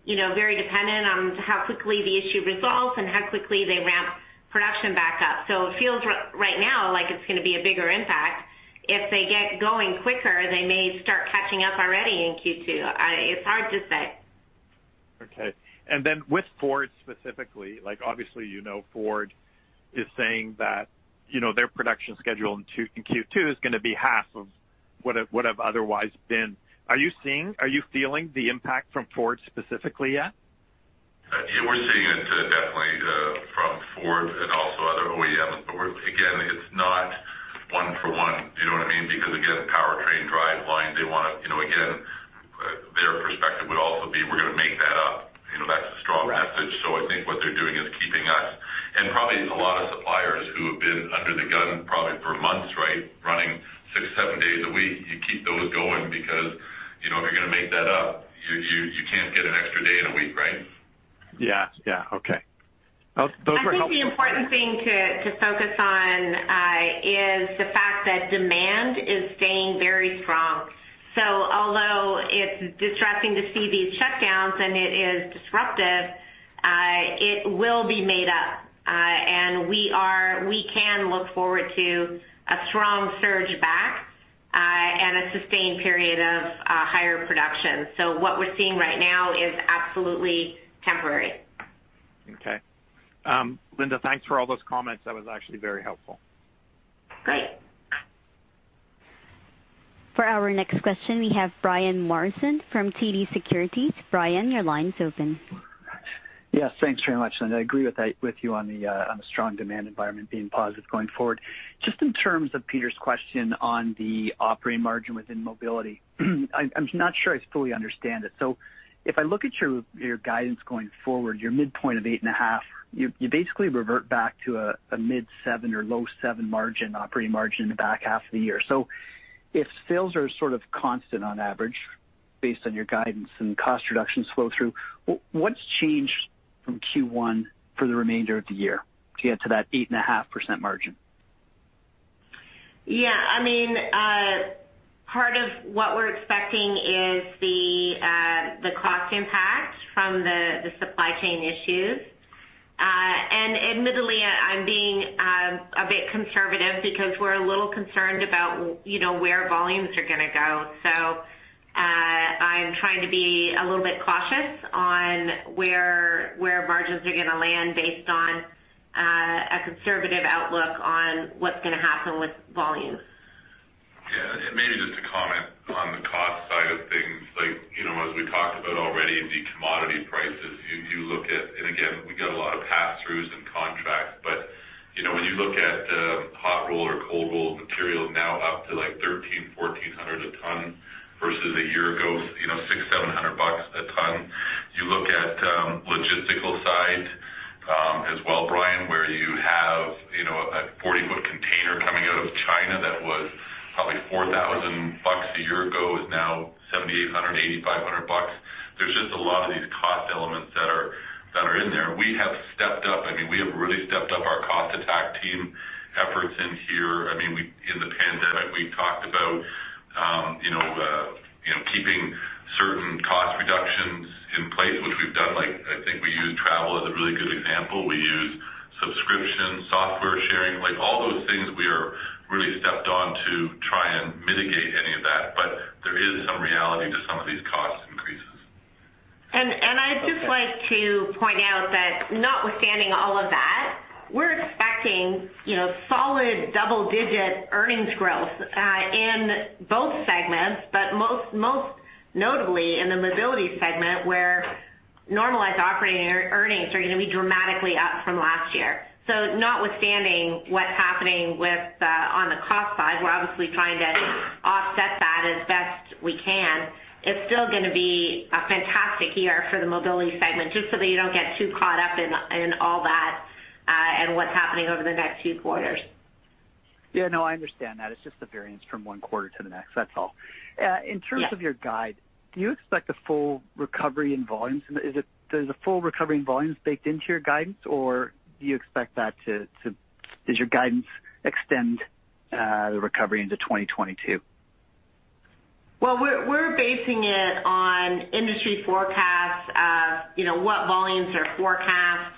S2: you know, very dependent on how quickly the issue resolves and how quickly they ramp production back up. It feels right now like it's gonna be a bigger impact. If they get going quicker, they may start catching up already in Q2. It's hard to say.
S4: Okay. Then with Ford specifically, like, obviously, you know Ford is saying that, you know, their production schedule in Q2 is gonna be half of what it would have otherwise been. Are you feeling the impact from Ford specifically yet?
S6: Yeah, we're seeing it, definitely, from Ford and also other OEMs. Again, it's not one for one. Do you know what I mean? Again, powertrain driveline. You know, again, their perspective would also be, we're gonna make that up. You know, that's a strong message. I think what they're doing is keeping us and probably a lot of suppliers who have been under the gun probably for months, right? Running 6, 7 days a week. You keep those going because, you know, if you're gonna make that up, you can't get an extra day in a week, right?
S4: Yeah. Yeah. Okay. Those were helpful.
S2: I think the important thing to focus on is the fact that demand is staying very strong. Although it's distressing to see these shutdowns and it is disruptive, it will be made up. We can look forward to a strong surge back and a sustained period of higher production. What we're seeing right now is absolutely temporary.
S4: Okay. Linda, thanks for all those comments. That was actually very helpful.
S2: Great.
S1: For our next question, we have Brian Morrison from TD Securities. Brian, your line's open.
S8: Yes, thanks very much. I agree with you on the strong demand environment being positive going forward. Just in terms of Peter's question on the operating margin within Mobility, I'm not sure I fully understand it. If I look at your guidance going forward, your midpoint of 8.5, you basically revert back to a mid 7 or low 7 margin, operating margin in the back half of the year. If sales are sort of constant on average based on your guidance and cost reductions flow through, what's changed from Q1 for the remainder of the year to get to that 8.5% margin?
S2: Yeah, I mean, part of what we're expecting is the cost impact from the supply chain issues. Admittedly, I'm being a bit conservative because we're a little concerned about, you know, where volumes are gonna go. I'm trying to be a little bit cautious on where margins are gonna land based on a conservative outlook on what's gonna happen with volumes.
S6: Yeah. Maybe just to comment on the cost side of things, like, you know, as we talked about already, the commodity prices, you look at. Again, we got a lot of pass-throughs and contracts, but, you know, when you look at hot roll or cold roll material now up to like $1,300, $1,400 a ton versus a year ago, you know, $600, $700 a ton. You look at logistical side as well, Brian, where you have, you know, a 40-foot container coming out of China that was probably $4,000 a year ago, is now $7,800, $8,500. There's just a lot of these cost elements that are in there. We have stepped up. I mean, we have really stepped up our cost attack team efforts in here. I mean, we in the pandemic, we talked about, you know, you know, keeping certain cost reductions in place, which we've done. Like, I think we use travel as a really good example. We use subscription, software sharing. Like, all those things we are really stepped on to try and mitigate any of that. There is some reality to some of these cost increases.
S2: I'd just like to point out that notwithstanding all of that, we're expecting, you know, solid double-digit earnings growth in both segments, but most notably in the Mobility segment where normalized operating earnings are gonna be dramatically up from last year. Notwithstanding what's happening with on the cost side, we're obviously trying to offset that. We can. It's still gonna be a fantastic year for the Mobility segment, just so that you don't get too caught up in all that and what's happening over the next few quarters.
S8: Yeah, no, I understand that. It's just the variance from one quarter to the next. That's all.
S2: Yeah.
S8: In terms of your guide, do you expect a full recovery in volumes? There's a full recovery in volumes baked into your guidance, or does your guidance extend the recovery into 2022?
S2: Well, we're basing it on industry forecasts. you know, what volumes are forecast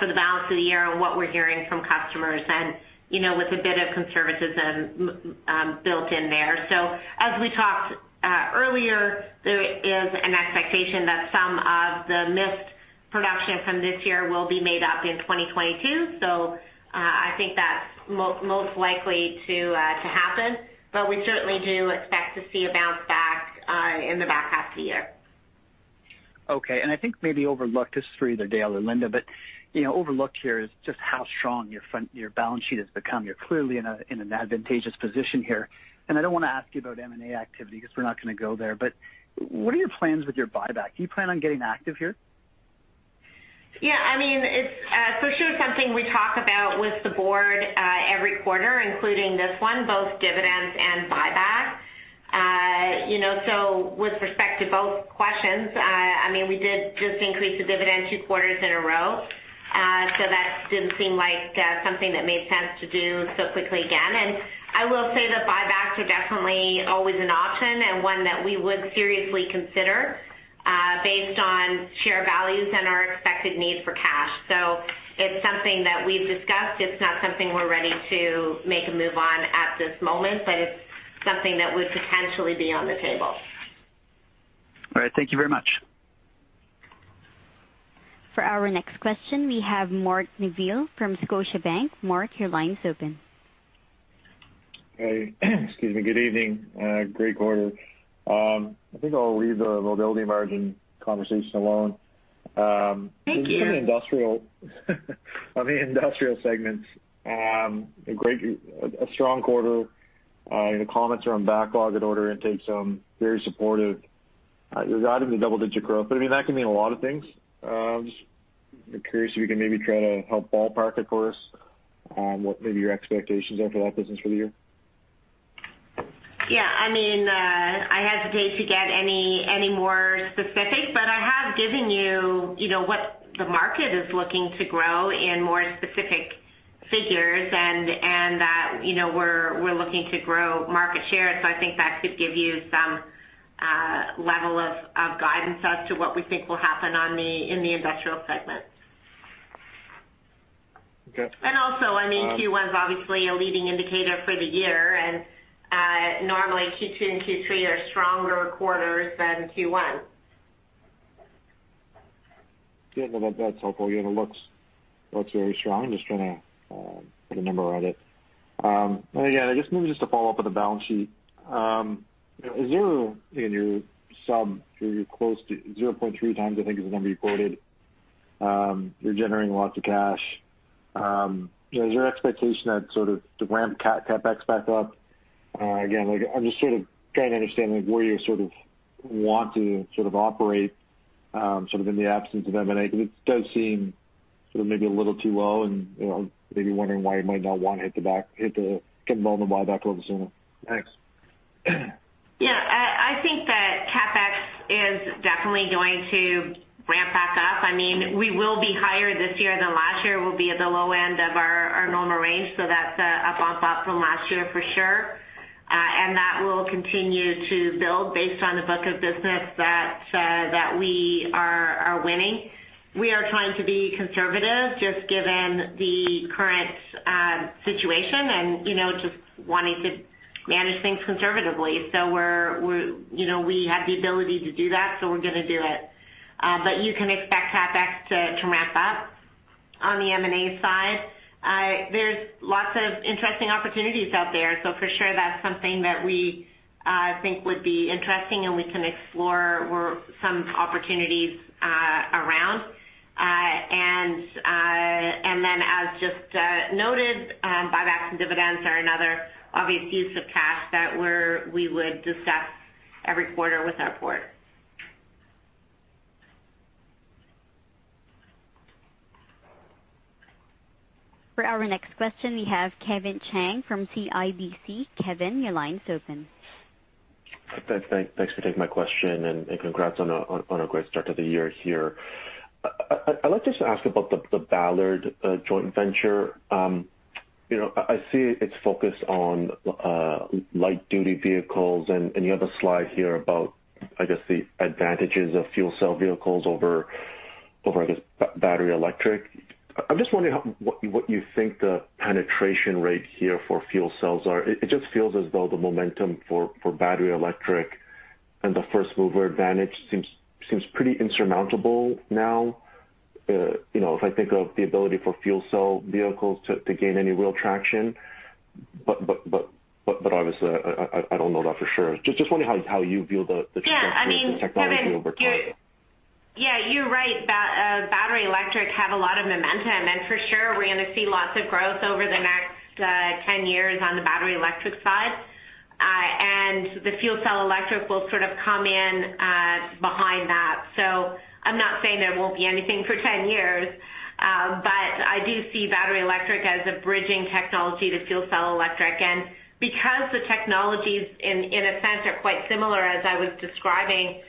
S2: for the balance of the year and what we're hearing from customers and, you know, with a bit of conservatism built in there. As we talked earlier, there is an expectation that some of the missed production from this year will be made up in 2022. I think that's most likely to happen. We certainly do expect to see a bounce back in the back half of the year.
S8: Okay. I think maybe overlooked, this is for either Dale or Linda. You know, overlooked here is just how strong your balance sheet has become. You're clearly in a, in an advantageous position here. I don't wanna ask you about M&A activity because we're not gonna go there. What are your plans with your buyback? Do you plan on getting active here?
S2: I mean, it's for sure something we talk about with the board every quarter, including this one, both dividends and buyback. You know, with respect to both questions, I mean, we did just increase the dividend two quarters in a row. That didn't seem like something that made sense to do so quickly again. I will say that buybacks are definitely always an option and one that we would seriously consider based on share values and our expected need for cash. It's something that we've discussed. It's not something we're ready to make a move on at this moment, but it's something that would potentially be on the table.
S8: All right. Thank you very much.
S1: For our next question, we have Mark Neville from Scotiabank. Mark, your line is open.
S9: Hey. Excuse me. Good evening. Great quarter. I think I'll leave the Mobility margin conversation alone.
S2: Sure.
S9: Just in industrial on the Industrial segments, a strong quarter. You know, comments are on backlog and order intakes, very supportive. Regarding the double-digit growth, I mean, that can mean a lot of things. Just curious if you can maybe try to help ballpark it for us on what maybe your expectations are for that business for the year.
S2: Yeah, I mean, I hesitate to get any more specific, but I have given you know, what the market is looking to grow in more specific figures, and that, you know, we're looking to grow market share. I think that should give you some level of guidance as to what we think will happen in the Industrial segment.
S9: Okay.
S2: I mean, Q1's obviously a leading indicator for the year, and normally Q2 and Q3 are stronger quarters than Q1.
S9: Yeah, no, that's helpful. You know, it looks very strong. Just trying to put a number on it. Again, maybe just to follow up on the balance sheet. You know, is there, you know, your sub, you're close to 0.3 times, I think it was, when reported? You're generating lots of cash. You know, is your expectation that sort of to ramp CapEx back up? Again, like I'm just sort of trying to understand, like, where you sort of want to sort of operate, sort of in the absence of M&A, because it does seem sort of maybe a little too low and, you know, maybe wondering why you might not want to get involved in the buyback a little sooner? Thanks.
S2: Yeah. I think that CapEx is definitely going to ramp back up. I mean, we will be higher this year than last year. We'll be at the low end of our normal range, so that's a bounce back from last year for sure. That will continue to build based on the book of business that we are winning. We are trying to be conservative just given the current situation and, you know, just wanting to manage things conservatively. We're, you know, we have the ability to do that, so we're gonna do it. You can expect CapEx to ramp up. On the M&A side, there's lots of interesting opportunities out there. For sure that's something that we think would be interesting and we can explore where some opportunities around. Then as just noted, buybacks and dividends are another obvious use of cash that we would discuss every quarter with our board.
S1: For our next question, we have Kevin Chiang from CIBC. Kevin, your line is open.
S10: Thanks for taking my question and congrats on a great start to the year here. I'd like just to ask about the Ballard joint venture. you know, I see it's focused on light-duty vehicles, and you have a slide here about, I guess, the advantages of fuel cell vehicles over, I guess, battery electric. I'm just wondering what you think the penetration rate here for fuel cells are. It just feels as though the momentum for battery electric and the first mover advantage seems pretty insurmountable now, you know, if I think of the ability for fuel cell vehicles to gain any real traction. Obviously I don't know that for sure. Just wondering how you view...
S2: Yeah. I mean, Kevin.
S10: ...technology over time.
S2: Yeah, you're right. battery electric have a lot of momentum. For sure we're gonna see lots of growth over the next 10 years on the battery electric side. The fuel cell electric will sort of come in behind that. I'm not saying there won't be anything for 10 years, but I do see battery electric as a bridging technology to fuel cell electric. Because the technologies in a sense, are quite similar, as I was describing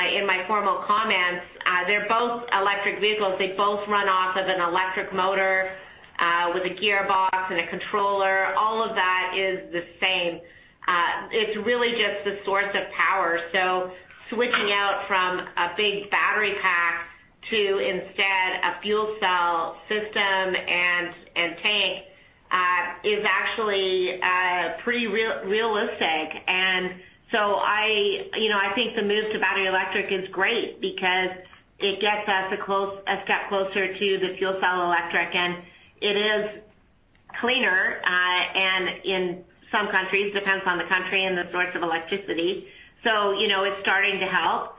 S2: in my formal comments, they're both electric vehicles. They both run off of an electric motor with a gearbox and a controller. All of that is the same. It's really just the source of power. Switching out from a big battery pack to instead a fuel cell system and tank, is actually pretty realistic. I, you know, I think the move to battery electric is great because it gets us a step closer to the fuel cell electric, and it is cleaner, and in some countries, depends on the country and the source of electricity. You know, it's starting to help.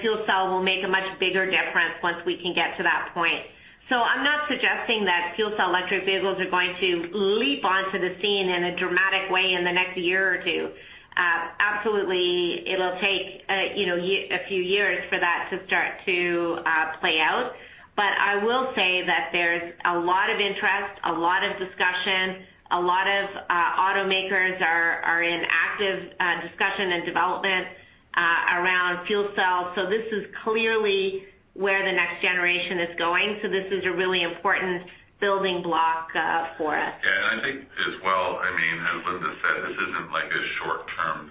S2: Fuel cell will make a much bigger difference once we can get to that point. I'm not suggesting that fuel cell electric vehicles are going to leap onto the scene in a dramatic way in the next year or two. Absolutely it'll take, you know, a few years for that to start to play out. I will say that there's a lot of interest, a lot of discussion. A lot of automakers are in active discussion and development around fuel cells. This is clearly where the next generation is going. This is a really important building block for us.
S6: Yeah. I think as well, I mean, as Linda said, this isn't like a short-term,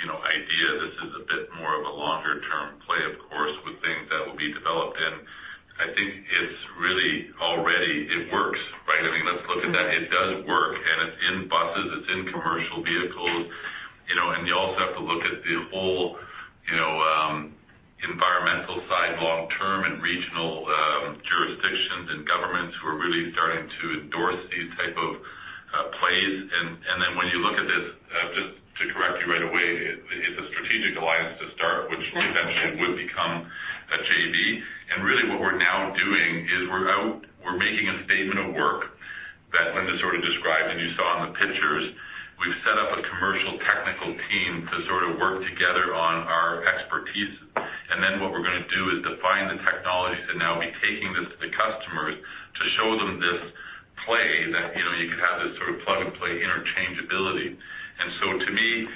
S6: you know, idea. This is a bit more of a longer-term play, of course, with things that will be developed. I think it's really already it works, right? I mean, let's look at that. It does work, and it's in buses, it's in commercial vehicles, you know, and you also have to look at the whole, you know, environmental side long-term and regional jurisdictions and governments who are really starting to endorse these type of plays. Then when you look at this, just to correct you right away, it's a strategic alliance to start, which eventually would become a JV. Really what we're now doing is we're making a statement of work that Linda sort of described and you saw in the pictures. We've set up a commercial technical team to sort of work together on our expertise. What we're gonna do is define the technologies and now be taking this to the customers to show them this play that, you know, you could have this sort of plug and play interchangeability. To me,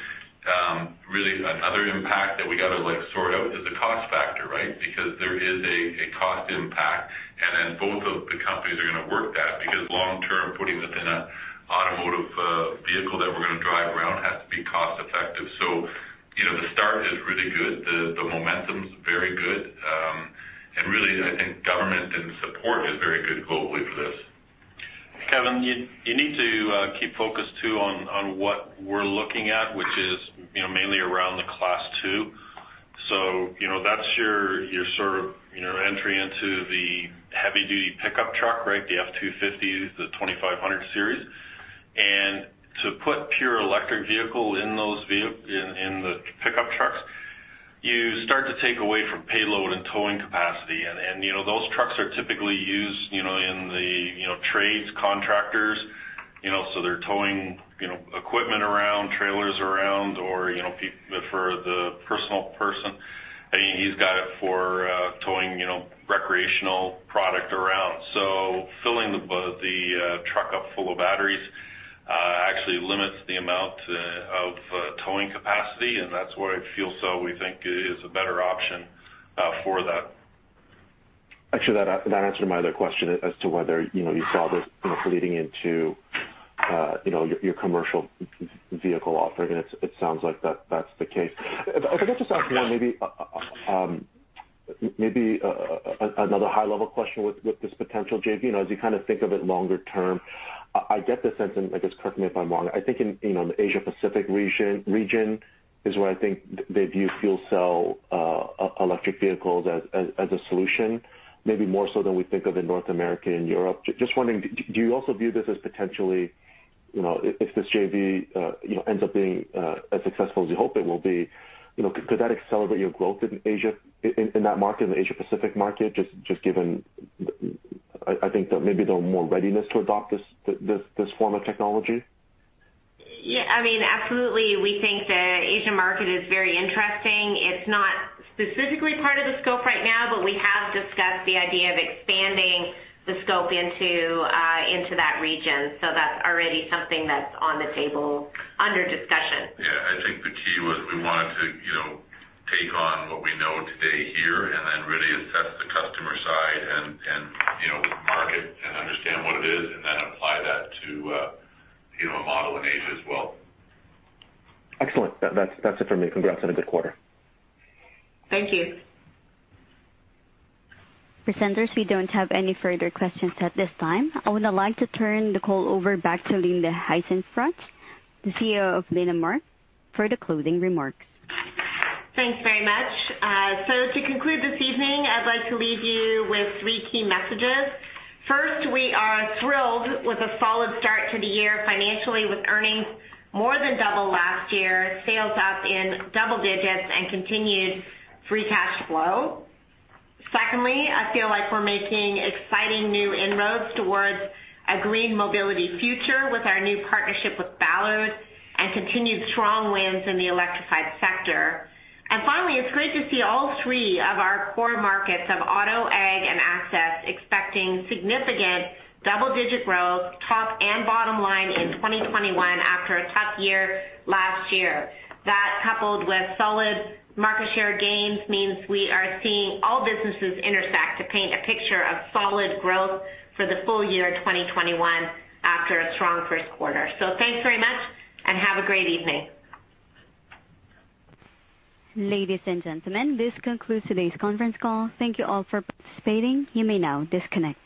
S6: really another impact that we gotta like sort out is the cost factor, right? Because there is a cost impact, and then both of the companies are gonna work that because long term, putting this in a automotive vehicle that we're gonna drive around has to be cost effective. You know, the start is really good. The momentum's very good. Really, I think government and support is very good globally for this. Kevin, you need to keep focused too on what we're looking at, which is, you know, mainly around the class 2. You know, that's your sort of, you know, entry into the heavy duty pickup truck, right? The F-250, the 2500 series. To put pure electric vehicle in those in the pickup trucks, you start to take away from payload and towing capacity. You know, those trucks are typically used, you know, in the, you know, trades, contractors, you know. They're towing, you know, equipment around, trailers around or, you know, for the personal person, he's got it for towing, you know, recreational product around. Filling the truck up full of batteries, actually limits the amount of towing capacity, and that's where a fuel cell we think is a better option for that.
S10: Actually, that answered my other question as to whether, you know, you saw this, you know, bleeding into, you know, your commercial vehicle offering, and it sounds like that's the case. If I could just ask one maybe, another high level question with this potential JV. You know, as you kind of think of it longer term, I get the sense, and I guess correct me if I'm wrong, I think in, you know, in the Asia Pacific region is where I think they view fuel cell electric vehicles as a solution, maybe more so than we think of in North America and Europe. Just wondering, do you also view this as potentially, you know, if this JV, you know, ends up being as successful as you hope it will be, you know, could that accelerate your growth in Asia, in that market, in the Asia Pacific market, just given, I think that maybe the more readiness to adopt this form of technology?
S2: I mean, absolutely. We think the Asian market is very interesting. It's not specifically part of the scope right now, we have discussed the idea of expanding the scope into that region. That's already something that's on the table under discussion.
S6: Yeah. I think the key was we wanted to, you know, take on what we know today here and then really assess the customer side and, you know, with market and understand what it is and then apply that to, you know, a model in Asia as well.
S10: Excellent. That's it for me. Congrats on a good quarter.
S2: Thank you.
S1: Presenters, we don't have any further questions at this time. I would like to turn the call over back to Linda Hasenfratz, the CEO of Linamar, for the closing remarks.
S2: Thanks very much. To conclude this evening, I'd like to leave you with 3 key messages. First, we are thrilled with a solid start to the year financially with earnings more than double last year, sales up in double-digits and continued free cash flow. Secondly, I feel like we're making exciting new inroads towards a green Mobility future with our new partnership with Ballard and continued strong wins in the electrified sector. Finally, it's great to see all 3 of our core markets of auto, Ag, and Access expecting significant double-digit growth, top and bottom line in 2021 after a tough year last year. That, coupled with solid market share gains, means we are seeing all businesses intersect to paint a picture of solid growth for the full year 2021 after a strong first quarter. Thanks very much and have a great evening.
S1: Ladies and gentlemen, this concludes today's conference call. Thank you all for participating. You may now disconnect.